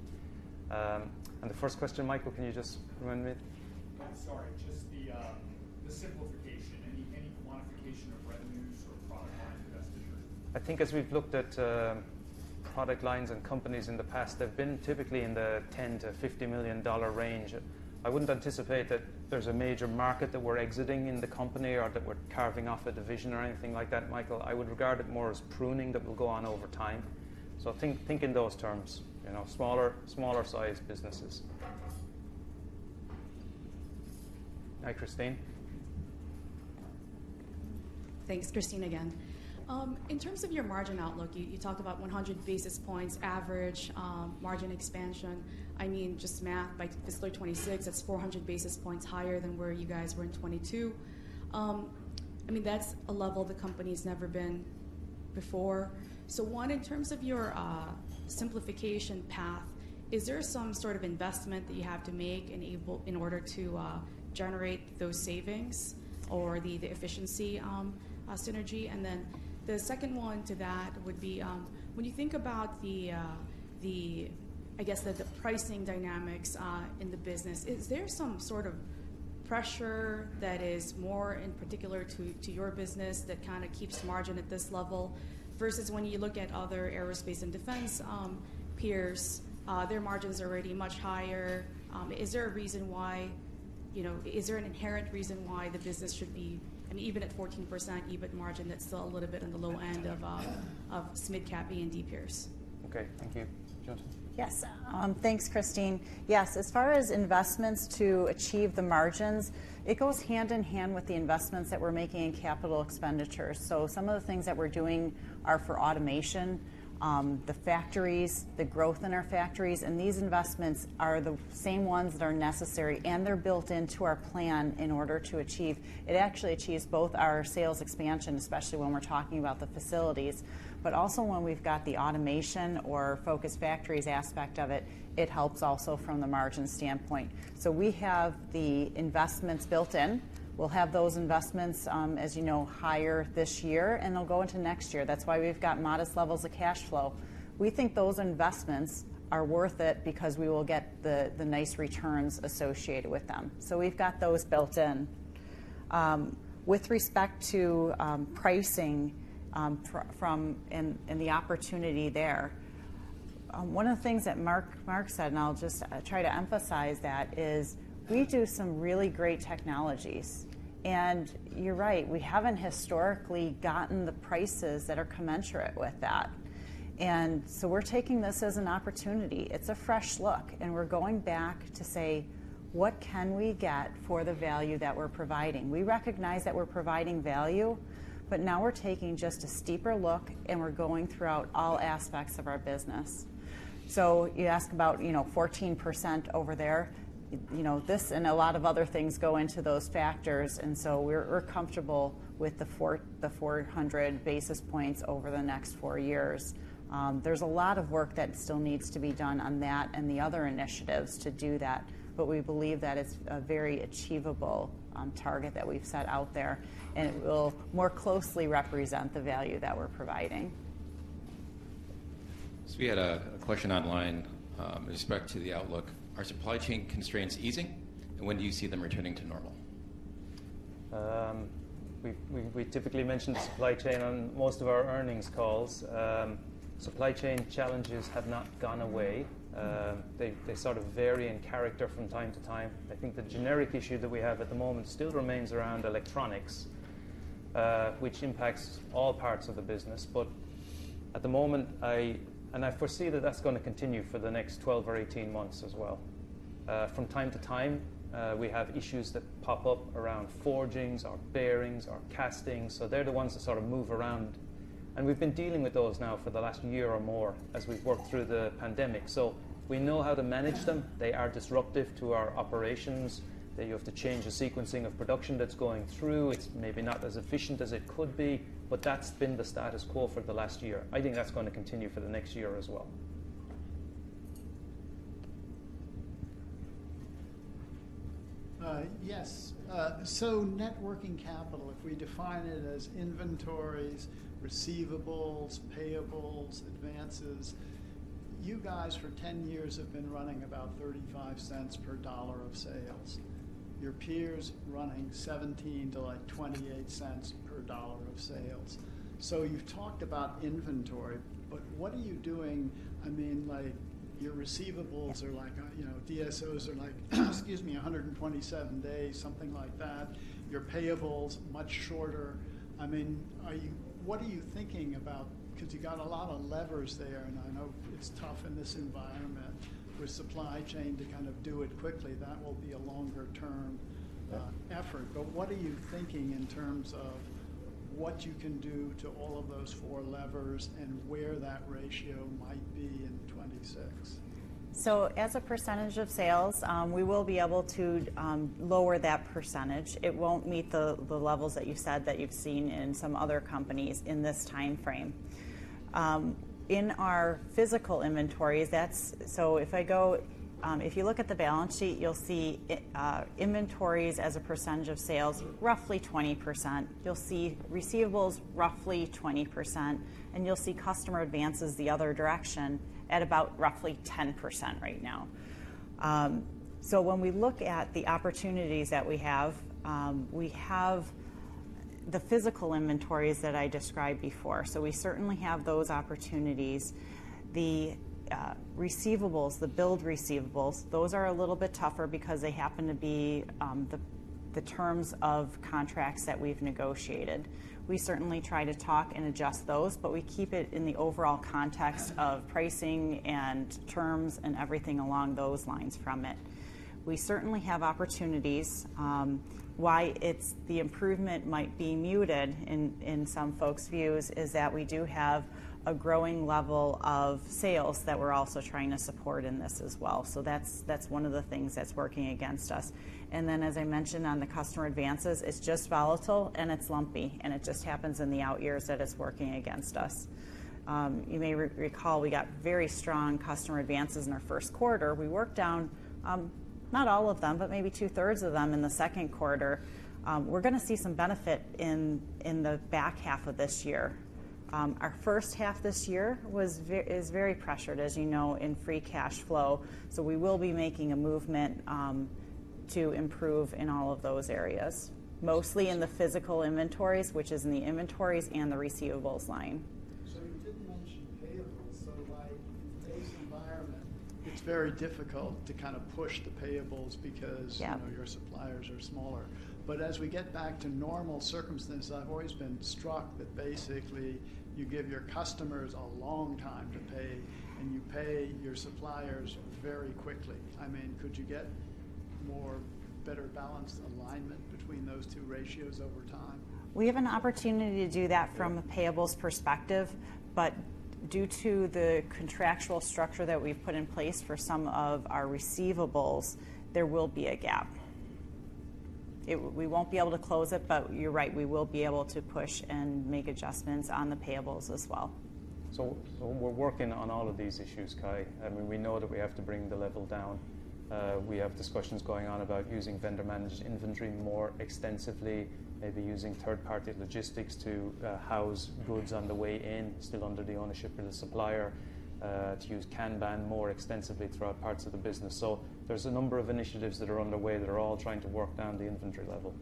The first question, Michael, can you just remind me? I'm sorry. Just the simplification. Any quantification of revenues or product line divestiture? I think as we've looked at product lines and companies in the past, they've been typically in the 10$ to $50 million range. I wouldn't anticipate that there's a major market that we're exiting in the company or that we're carving off a division or anything like that, Michael. I would regard it more as pruning that will go on over time. Think in those terms, you know, smaller-sized businesses. Hi, Kristine. Thanks. Kristine again. In terms of your margin outlook, you talked about 100 basis points average margin expansion. I mean, just math, by fiscal 2026, that's 400 basis points higher than where you guys were in 2022. I mean, that's a level the company's never been before. One, in terms of your simplification path, is there some sort of investment that you have to make in order to generate those savings or the efficiency synergy? The second one to that would be, when you think about the, I guess, the pricing dynamics in the business, is there some sort of pressure that is more in particular to your business that kind of keeps margin at this level? Versus when you look at other Aerospace and Defense peers, their margins are already much higher. You know, Is there an inherent reason why the business should be, I mean, even at 14% EBIT margin, that's still a little bit on the low end of mid-cap A&D peers? Okay. Thank you. Jennifer? Yes. Thanks, Kristine. Yes, as far as investments to achieve the margins, it goes hand in hand with the investments that we're making in capital expenditures. Some of the things that we're doing are for automation, the factories, the growth in our factories, and these investments are the same ones that are necessary, and they're built into our plan in order to achieve. It actually achieves both our sales expansion, especially when we're talking about the facilities, but also when we've got the automation or focus factories aspect of it helps also from the margin standpoint. We have the investments built in. We'll have those investments, as you know, higher this year, and they'll go into next year. That's why we've got modest levels of cash flow. We think those investments are worth it because we will get the nice returns associated with them. We've got those built in. With respect to pricing, from and the opportunity there, one of the things that Mark said, and I'll just try to emphasize that, is we do some really great technologies. You're right, we haven't historically gotten the prices that are commensurate with that. We're taking this as an opportunity. It's a fresh look, and we're going back to say: What can we get for the value that we're providing? We recognize that we're providing value, but now we're taking just a steeper look, and we're going throughout all aspects of our business. You ask about, you know, 14% over there. You know, this and a lot of other things go into those factors, we're comfortable with the 400 basis points over the next four years. There's a lot of work that still needs to be done on that and the other initiatives to do that, we believe that it's a very achievable target that we've set out there, it will more closely represent the value that we're providing. We had a question online with respect to the outlook. Are supply chain constraints easing, and when do you see them returning to normal? We typically mention the supply chain on most of our earnings calls. Supply chain challenges have not gone away. They sort of vary in character from time to time. I think the generic issue that we have at the moment still remains around electronics, which impacts all parts of the business. At the moment, I foresee that that's going to continue for the next 12 or 18 months as well. From time to time, we have issues that pop up around forgings or bearings or castings. They're the ones that sort of move around, and we've been dealing with those now for the last year or more as we've worked through the pandemic. We know how to manage them. They are disruptive to our operations, that you have to change the sequencing of production that's going through. It's maybe not as efficient as it could be, but that's been the status quo for the last year. I think that's going to continue for the next year as well. Yes. Net working capital, if we define it as inventories, receivables, payables, advances, you guys, for 10 years, have been running about $0.35 per dollar of sales. Your peers running $0.17-$0.28 per dollar of sales. You've talked about inventory, what are you doing? I mean, like, your receivables are like, you know, DSOs are like, excuse me, 127 days, something like that. Your payables, much shorter. I mean, what are you thinking about? You got a lot of levers there, and I know it's tough in this environment with supply chain to kind of do it quickly. That will be a longer-term effort. What are you thinking in terms of what you can do to all of those four levers and where that ratio might be in 2026? As a percentage of sales, we will be able to lower that percentage. It won't meet the levels that you've said that you've seen in some other companies in this time frame. In our physical inventories, that's... If I go, if you look at the balance sheet, you'll see in inventories as a percentage of sales, roughly 20%. You'll see receivables, roughly 20%, and you'll see customer advances the other direction at about roughly 10% right now. When we look at the opportunities that we have, we have the physical inventories that I described before, so we certainly have those opportunities. The receivables, the build receivables, those are a little bit tougher because they happen to be the terms of contracts that we've negotiated. We certainly try to talk and adjust those. We keep it in the overall context of pricing and terms and everything along those lines from it. We certainly have opportunities. The improvement might be muted in some folks' views, is that we do have a growing level of sales that we're also trying to support in this as well. That's one of the things that's working against us. As I mentioned on the customer advances, it's just volatile, and it's lumpy, and it just happens in the out years that it's working against us. You may recall, we got very strong customer advances in our first quarter. We worked down not all of them, but maybe two-thirds of them in the second quarter. We're going to see some benefit in the back half of this year. Our first half this year is very pressured, as you know, in free cash flow, so we will be making a movement to improve in all of those areas, mostly in the physical inventories, which is in the inventories and the receivables line. You didn't mention payables, so like, in today's environment, it's very difficult to kind of push the payables. Yeah... you know, your suppliers are smaller. As we get back to normal circumstances, I've always been struck that basically you give your customers a long time to pay, and you pay your suppliers very quickly. I mean, could you get more better balanced alignment between those two ratios over time? We have an opportunity to do that from a payables perspective, due to the contractual structure that we've put in place for some of our receivables, there will be a gap. We won't be able to close it, you're right, we will be able to push and make adjustments on the payables as well. We're working on all of these issues, Cai. I mean, we know that we have to bring the level down. We have discussions going on about using vendor-managed inventory more extensively, maybe using third-party logistics to house goods on the way in, still under the ownership of the supplier, to use Kanban more extensively throughout parts of the business. There's a number of initiatives that are underway that are all trying to work down the inventory level.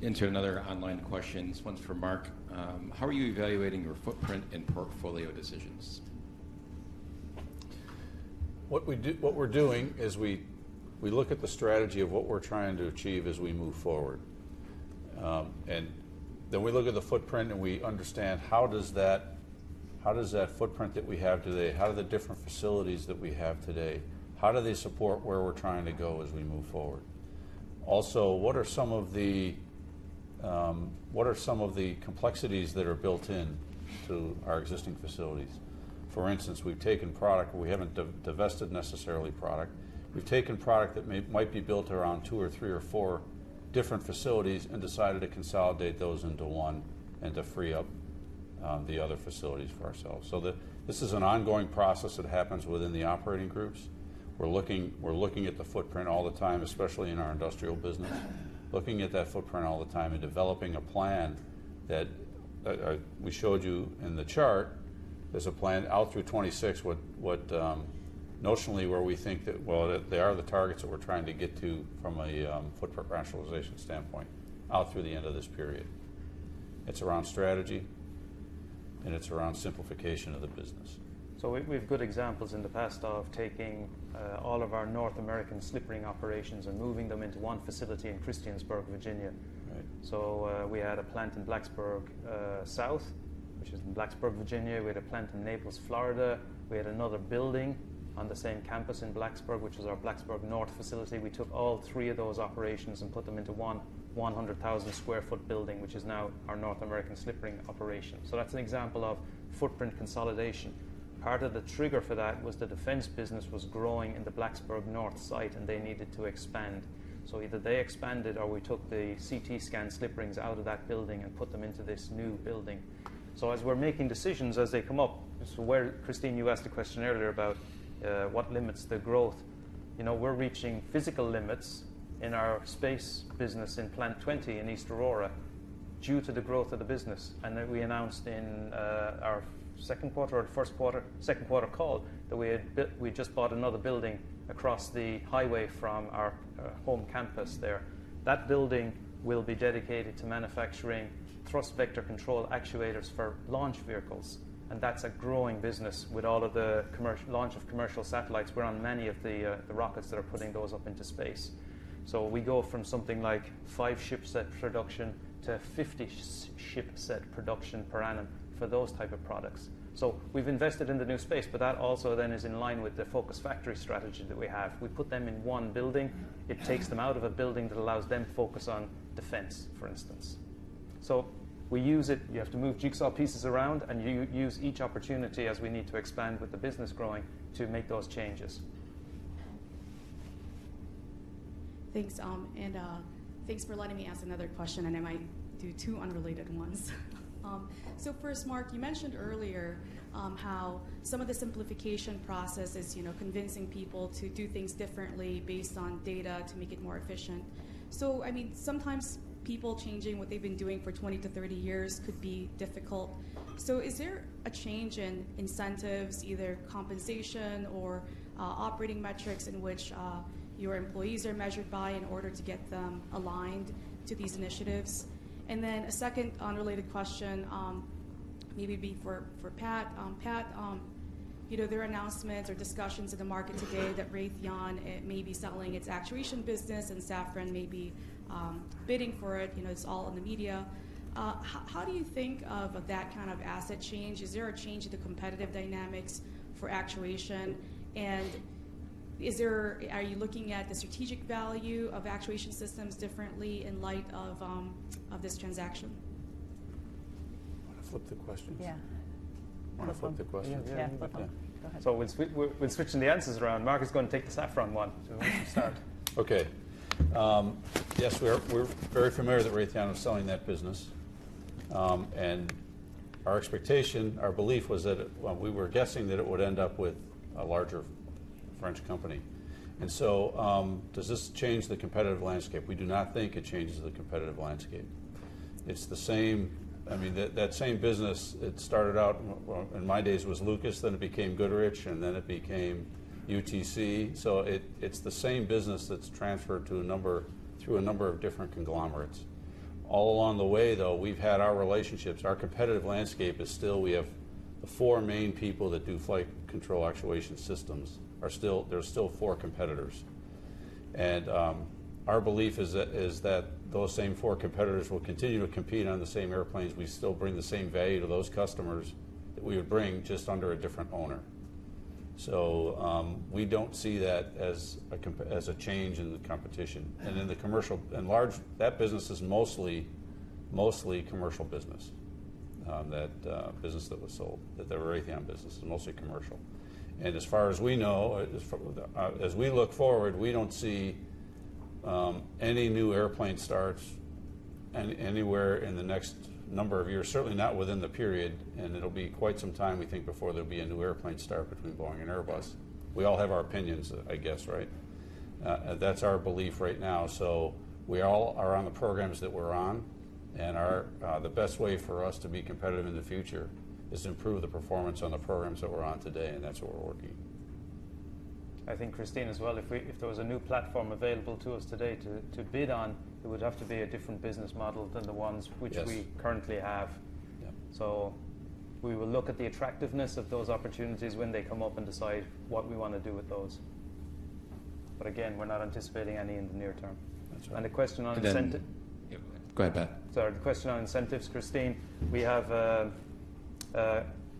Into another online question. This one's for Mark. How are you evaluating your footprint and portfolio decisions? What we're doing is we look at the strategy of what we're trying to achieve as we move forward. Then we look at the footprint, and we understand how does that footprint that we have today, how do the different facilities that we have today, how do they support where we're trying to go as we move forward? Also, what are some of the complexities that are built in to our existing facilities? For instance, we've taken product, we haven't divested necessarily product. We've taken product that might be built around two or three or four different facilities and decided to consolidate those into one and to free up the other facilities for ourselves. This is an ongoing process that happens within the operating groups. We're looking at the footprint all the time, especially in our industrial business. Looking at that footprint all the time and developing a plan that we showed you in the chart. There's a plan out through 2026, what notionally, where we think that, well, they are the targets that we're trying to get to from a footprint rationalization standpoint out through the end of this period. It's around strategy, and it's around simplification of the business. We have good examples in the past of taking all of our North American slip ring operations and moving them into one facility in Blacksburg, Virginia. Right. We had a plant in Blacksburg South, which is in Blacksburg, Virginia. We had a plant in Naples, Florida. We had another building on the same campus in Blacksburg, which was our Blacksburg North facility. We took all three of those operations and put them into one 100,000 square foot building, which is now our North American slip ring operation. That's an example of footprint consolidation. Part of the trigger for that was the defense business was growing in the Blacksburg North site, and they needed to expand. Either they expanded, or we took the CT scan slip rings out of that building and put them into this new building. As we're making decisions, as they come up, where, Kristine, you asked a question earlier about what limits the growth? You know, we're reaching physical limits in our space business in Plant 20 in East Aurora due to the growth of the business. We announced in our second quarter or first quarter, second quarter call, that we just bought another building across the highway from our home campus there. That building will be dedicated to manufacturing thrust vector control actuators for launch vehicles, and that's a growing business. With all of the commercial launch of commercial satellites, we're on many of the rockets that are putting those up into space. We go from something like five ship set production to 50 ship set production per annum for those type of products. We've invested in the new space, that also then is in line with the focused factory strategy that we have. We put them in one building. It takes them out of a building that allows them to focus on defense, for instance. We use it. You have to move jigsaw pieces around, and you use each opportunity as we need to expand with the business growing to make those changes. Thanks, and thanks for letting me ask another question, and I might do two unrelated ones. First, Mark, you mentioned earlier, how some of the simplification process is, you know, convincing people to do things differently based on data to make it more efficient. I mean, sometimes people changing what they've been doing for 20 to 30 years could be difficult. Is there a change in incentives, either compensation or operating metrics in which your employees are measured by in order to get them aligned to these initiatives? A second unrelated question, maybe be for Pat. Pat, you know, there are announcements or discussions in the market today that Raytheon, it may be selling its actuation business and Safran may be bidding for it. You know, it's all in the media. How do you think of that kind of asset change? Is there a change in the competitive dynamics for actuation, and are you looking at the strategic value of actuation systems differently in light of this transaction? Want to flip the questions? Yeah. Want to flip the questions? Yeah, yeah. Go ahead. we're switching the answers around. Mark is going to take the Safran one. Why don't you start? Okay. Yes, we're very familiar that Raytheon is selling that business. Our expectation, our belief was that, well, we were guessing that it would end up with a larger French company. Does this change the competitive landscape? We do not think it changes the competitive landscape. It's the same. I mean, that same business, it started out, well, in my days, it was Lucas, then it became Goodrich, and then it became UTC. It's the same business that's transferred through a number of different conglomerates. All along the way, though, we've had our relationships. Our competitive landscape is still, we have the four main people that do flight control actuation systems there's still four competitors. Our belief is that those same four competitors will continue to compete on the same airplanes. We still bring the same value to those customers that we would bring just under a different owner. We don't see that as a change in the competition. Then the commercial and large, that business is mostly commercial business, that business that was sold, that the Raytheon business is mostly commercial. As far as we know, as we look forward, we don't see any new airplane starts anywhere in the next number of years, certainly not within the period, and it'll be quite some time, we think, before there'll be a new airplane start between Boeing and Airbus. We all have our opinions, I guess, right? That's our belief right now. We all are on the programs that we're on, and our, the best way for us to be competitive in the future is to improve the performance on the programs that we're on today, and that's what we're working. I think Kristine as well, if we, if there was a new platform available to us today to bid on, it would have to be a different business model than the ones. Yes... which we currently have. Yeah. We will look at the attractiveness of those opportunities when they come up and decide what we want to do with those. Again, we're not anticipating any in the near term. That's right. the question on Go ahead, Pat. Sorry. The question on incentives, Kristine, we have a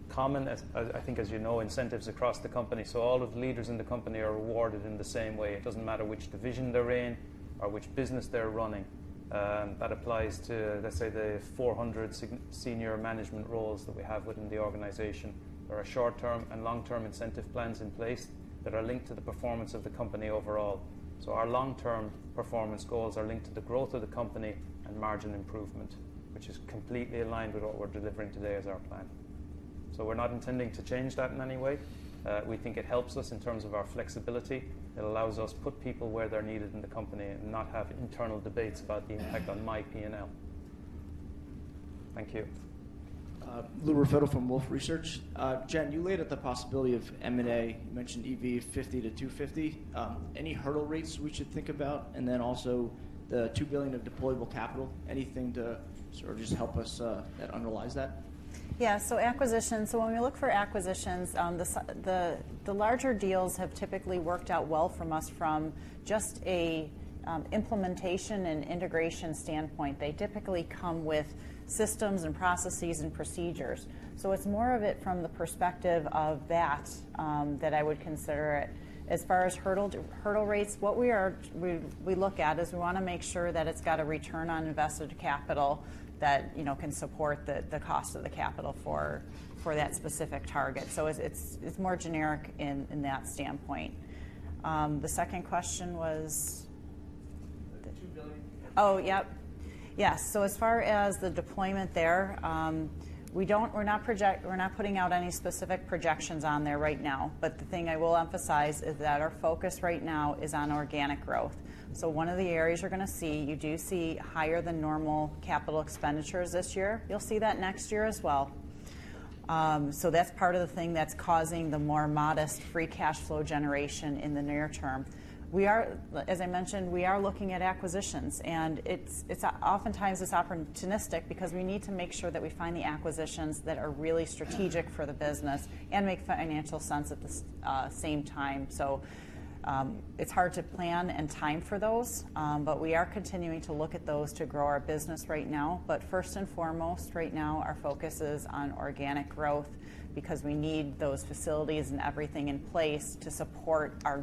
common, I think you know, incentives across the company. All of the leaders in the company are rewarded in the same way. It doesn't matter which division they're in or which business they're running. That applies to, let's say, the 400 senior management roles that we have within the organization. There are short-term and long-term incentive plans in place that are linked to the performance of the company overall. Our long-term performance goals are linked to the growth of the company and margin improvement, which is completely aligned with what we're delivering today as our plan. We're not intending to change that in any way. We think it helps us in terms of our flexibility. It allows us put people where they're needed in the company and not have internal debates about the impact on my PNL. Thank you. Louis Raffetto from Wolfe Research. Jen, you laid out the possibility of M&A. You mentioned EV 50 to 250. Any hurdle rates we should think about? The $2 billion of deployable capital, anything to sort of just help us underlies that? Acquisitions. When we look for acquisitions, the larger deals have typically worked out well from us from just a implementation and integration standpoint. They typically come with systems and processes and procedures. It's more of it from the perspective of that that I would consider it. As far as hurdle rates, we look at is we want to make sure that it's got a return on invested capital that, you know, can support the cost of the capital for that specific target. It's more generic in that standpoint. The second question was? The $2 billion. Yep. Yes. As far as the deployment there, we're not putting out any specific projections on there right now. The thing I will emphasize is that our focus right now is on organic growth. One of the areas you're going to see, you do see higher than normal capital expenditures this year. You'll see that next year as well. That's part of the thing that's causing the more modest free cash flow generation in the near term. We are. As I mentioned, we are looking at acquisitions, and it's oftentimes opportunistic because we need to make sure that we find the acquisitions that are really strategic for the business and make financial sense at the same time. It's hard to plan and time for those, but we are continuing to look at those to grow our business right now. First and foremost, right now, our focus is on organic growth because we need those facilities and everything in place to support our,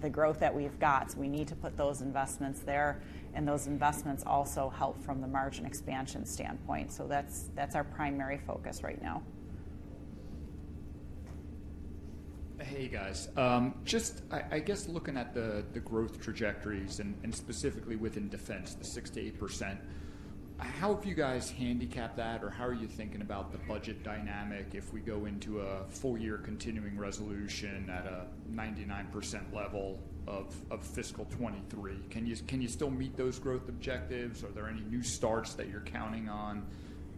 the growth that we've got. We need to put those investments there, and those investments also help from the margin expansion standpoint. That's our primary focus right now. Hey, guys. Just I guess looking at the growth trajectories and specifically within defense, the 6%-8%, how have you guys handicapped that? Or how are you thinking about the budget dynamic if we go into a full-year continuing resolution at a 99% level of fiscal 2023? Can you still meet those growth objectives? Are there any new starts that you're counting on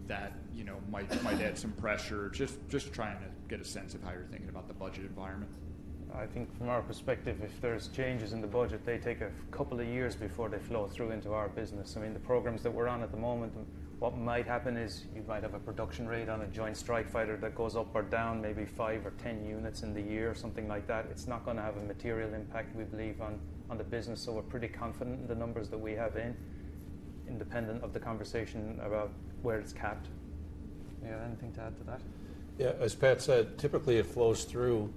that, you know, might add some pressure? Just trying to get a sense of how you're thinking about the budget environment. I think from our perspective, if there's changes in the budget, they take a couple of years before they flow through into our business. I mean, the programs that we're on at the moment, what might happen is you might have a production rate on a Joint Strike Fighter that goes up or down maybe five or ten units in the year or something like that. It's not going to have a material impact, we believe, on the business. We're pretty confident in the numbers that we have in, independent of the conversation about where it's capped. You have anything to add to that? Yeah, as Pat said, typically, it flows through,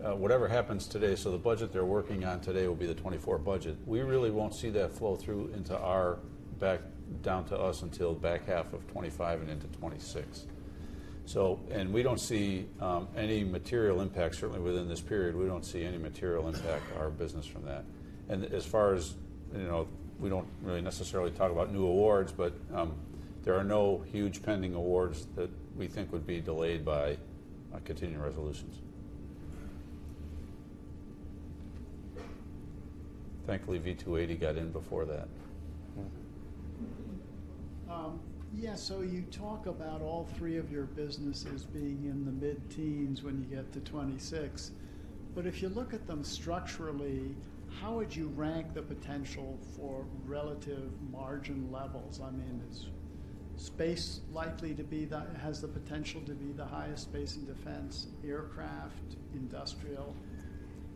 whatever happens today. The budget they're working on today will be the 2024 budget. We really won't see that flow through into our back, down to us until back half of 2025 and into 2026. We don't see any material impact, certainly within this period. We don't see any material impact to our business from that. As far as, you know, we don't really necessarily talk about new awards, but there are no huge pending awards that we think would be delayed by continuing resolutions. Thankfully, V-280 got in before that. Mm-hmm. Yeah, you talk about all three of your businesses being in the mid-teens when you get to 26, if you look at them structurally, how would you rank the potential for relative margin levels? I mean, is Space likely to be has the potential to be the highest Space and Defense, Aircraft, Industrial.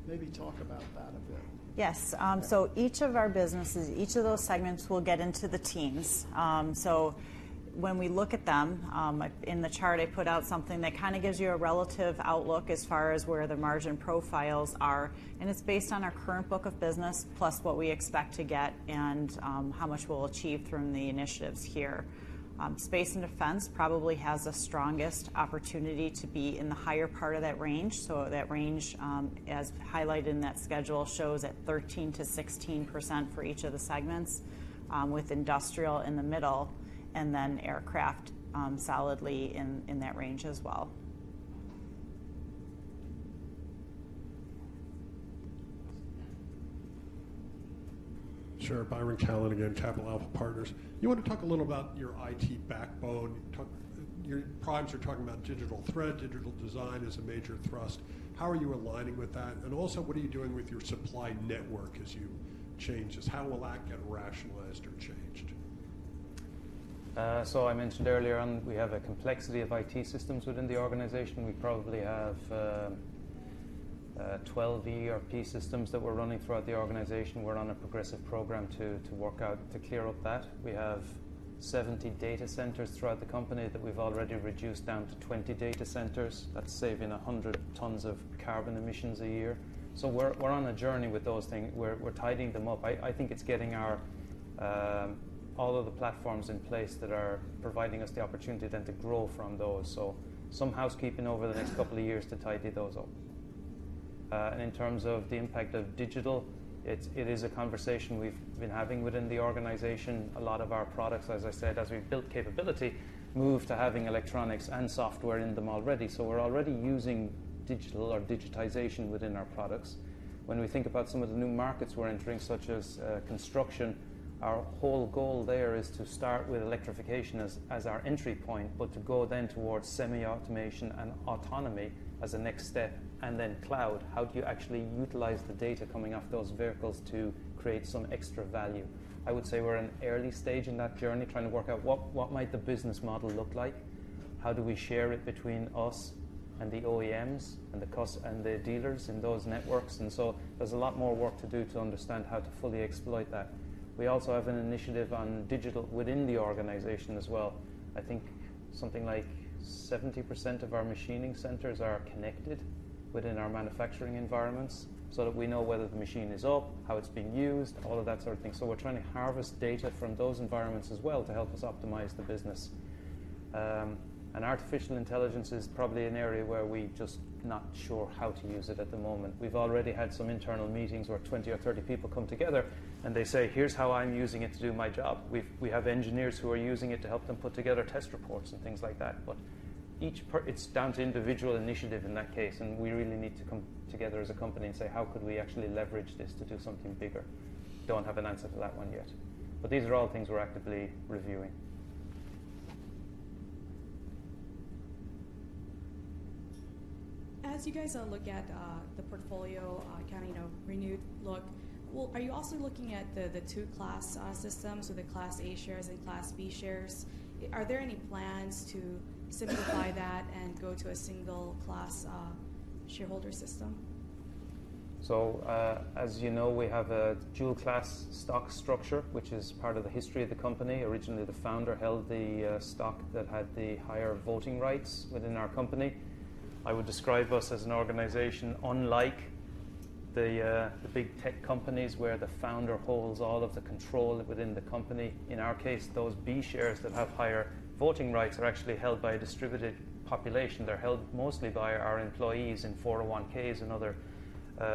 Maybe talk about that a bit. Yes. Each of our businesses, each of those segments will get into the teams. When we look at them, like in the chart, I put out something that kind of gives you a relative outlook as far as where the margin profiles are, and it's based on our current book of business, plus what we expect to get and, how much we'll achieve from the initiatives here. Space and Defense probably has the strongest opportunity to be in the higher part of that range. That range, as highlighted in that schedule, shows at 13%-16% for each of the segments, with Industrial in the middle and then Aircraft, solidly in that range as well. Sure. Byron Callan again, Capital Alpha Partners. You want to talk a little about your IT backbone. Your products are talking about digital thread, digital design is a major thrust. How are you aligning with that? Also, what are you doing with your supply network as you change this? How will that get rationalized or changed? I mentioned earlier on, we have a complexity of IT systems within the organization. We probably have 12 ERP systems that we're running throughout the organization. We're on a progressive program to work out, to clear up that. We have 70 data centers throughout the company that we've already reduced down to 20 data centers. That's saving 100 tons of carbon emissions a year. We're on a journey with those things. We're tidying them up. I think it's getting our all of the platforms in place that are providing us the opportunity then to grow from those. Some housekeeping over the next couple of years to tidy those up. And in terms of the impact of digital, it is a conversation we've been having within the organization. A lot of our products, as I said, as we've built capability, moved to having electronics and software in them already. We're already using digital or digitization within our products. When we think about some of the new markets we're entering, such as construction, our whole goal there is to start with electrification as our entry point, but to go then towards semi-automation and autonomy as a next step, and then cloud. How do you actually utilize the data coming off those vehicles to create some extra value? I would say we're in early stage in that journey, trying to work out what might the business model look like? How do we share it between us and the OEMs, and the dealers in those networks? There's a lot more work to do to understand how to fully exploit that. We also have an initiative on digital within the organization as well. I think something like 70% of our machining centers are connected within our manufacturing environments, so that we know whether the machine is up, how it's being used, all of that sort of thing. We're trying to harvest data from those environments as well to help us optimize the business. Artificial intelligence is probably an area where we're just not sure how to use it at the moment. We've already had some internal meetings where 20 or 30 people come together, and they say, "Here's how I'm using it to do my job." We have engineers who are using it to help them put together test reports and things like that, but each per... It's down to individual initiative in that case, and we really need to come together as a company and say, "How could we actually leverage this to do something bigger?" Don't have an answer to that one yet. These are all things we're actively reviewing. As you guys, look at, the portfolio, kind of, you know, renewed look, well, are you also looking at the two class, systems, so the Class A shares and Class B shares? Are there any plans to simplify that and go to a single class, shareholder system? As you know, we have a dual-class stock structure, which is part of the history of the company. Originally, the founder held the stock that had the higher voting rights within our company. I would describe us as an organization unlike the big tech companies, where the founder holds all of the control within the company. In our case, those B shares that have higher voting rights are actually held by a distributed population. They're held mostly by our employees in 401s and other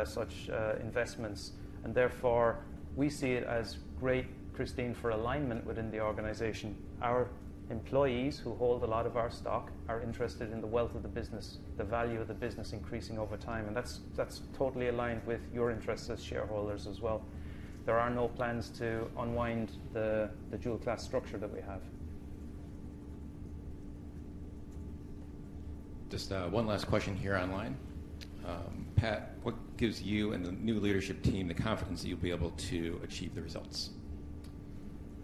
such investments. Therefore, we see it as great, Kristine, for alignment within the organization. Our employees, who hold a lot of our stock, are interested in the wealth of the business, the value of the business increasing over time, and that's totally aligned with your interests as shareholders as well. There are no plans to unwind the dual class structure that we have. Just one last question here online. Pat, what gives you and the new leadership team the confidence that you'll be able to achieve the results?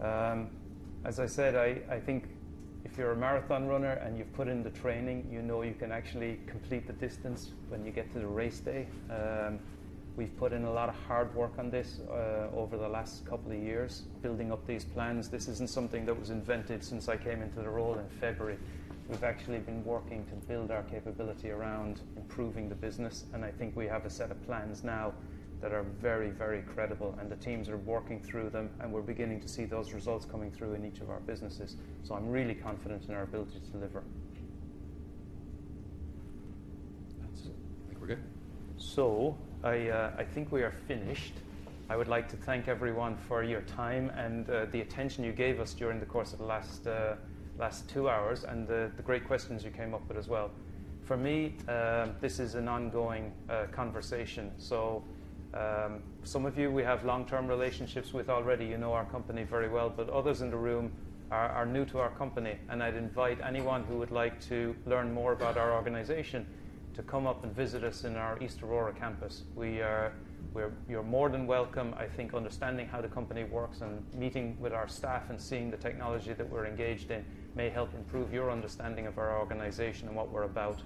As I said, I think if you're a marathon runner and you've put in the training, you know you can actually complete the distance when you get to the race day. We've put in a lot of hard work on this over the last couple of years, building up these plans. This isn't something that was invented since I came into the role in February. We've actually been working to build our capability around improving the business, and I think we have a set of plans now that are very, very credible, and the teams are working through them, and we're beginning to see those results coming through in each of our businesses. I'm really confident in our ability to deliver. That's it. I think we're good. I think we are finished. I would like to thank everyone for your time and the attention you gave us during the course of the last two hours, and the great questions you came up with as well. For me, this is an ongoing conversation. Some of you, we have long-term relationships with already, you know our company very well, but others in the room are new to our company, and I'd invite anyone who would like to learn more about our organization to come up and visit us in our East Aurora campus. You're more than welcome. I think understanding how the company works and meeting with our staff and seeing the technology that we're engaged in, may help improve your understanding of our organization and what we're about.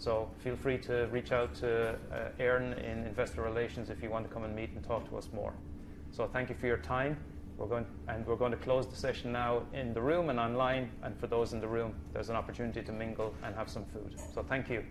Feel free to reach out to Aaron in Investor Relations if you want to come and meet and talk to us more. Thank you for your time. We're going to close the session now in the room and online. For those in the room, there's an opportunity to mingle and have some food. Thank you.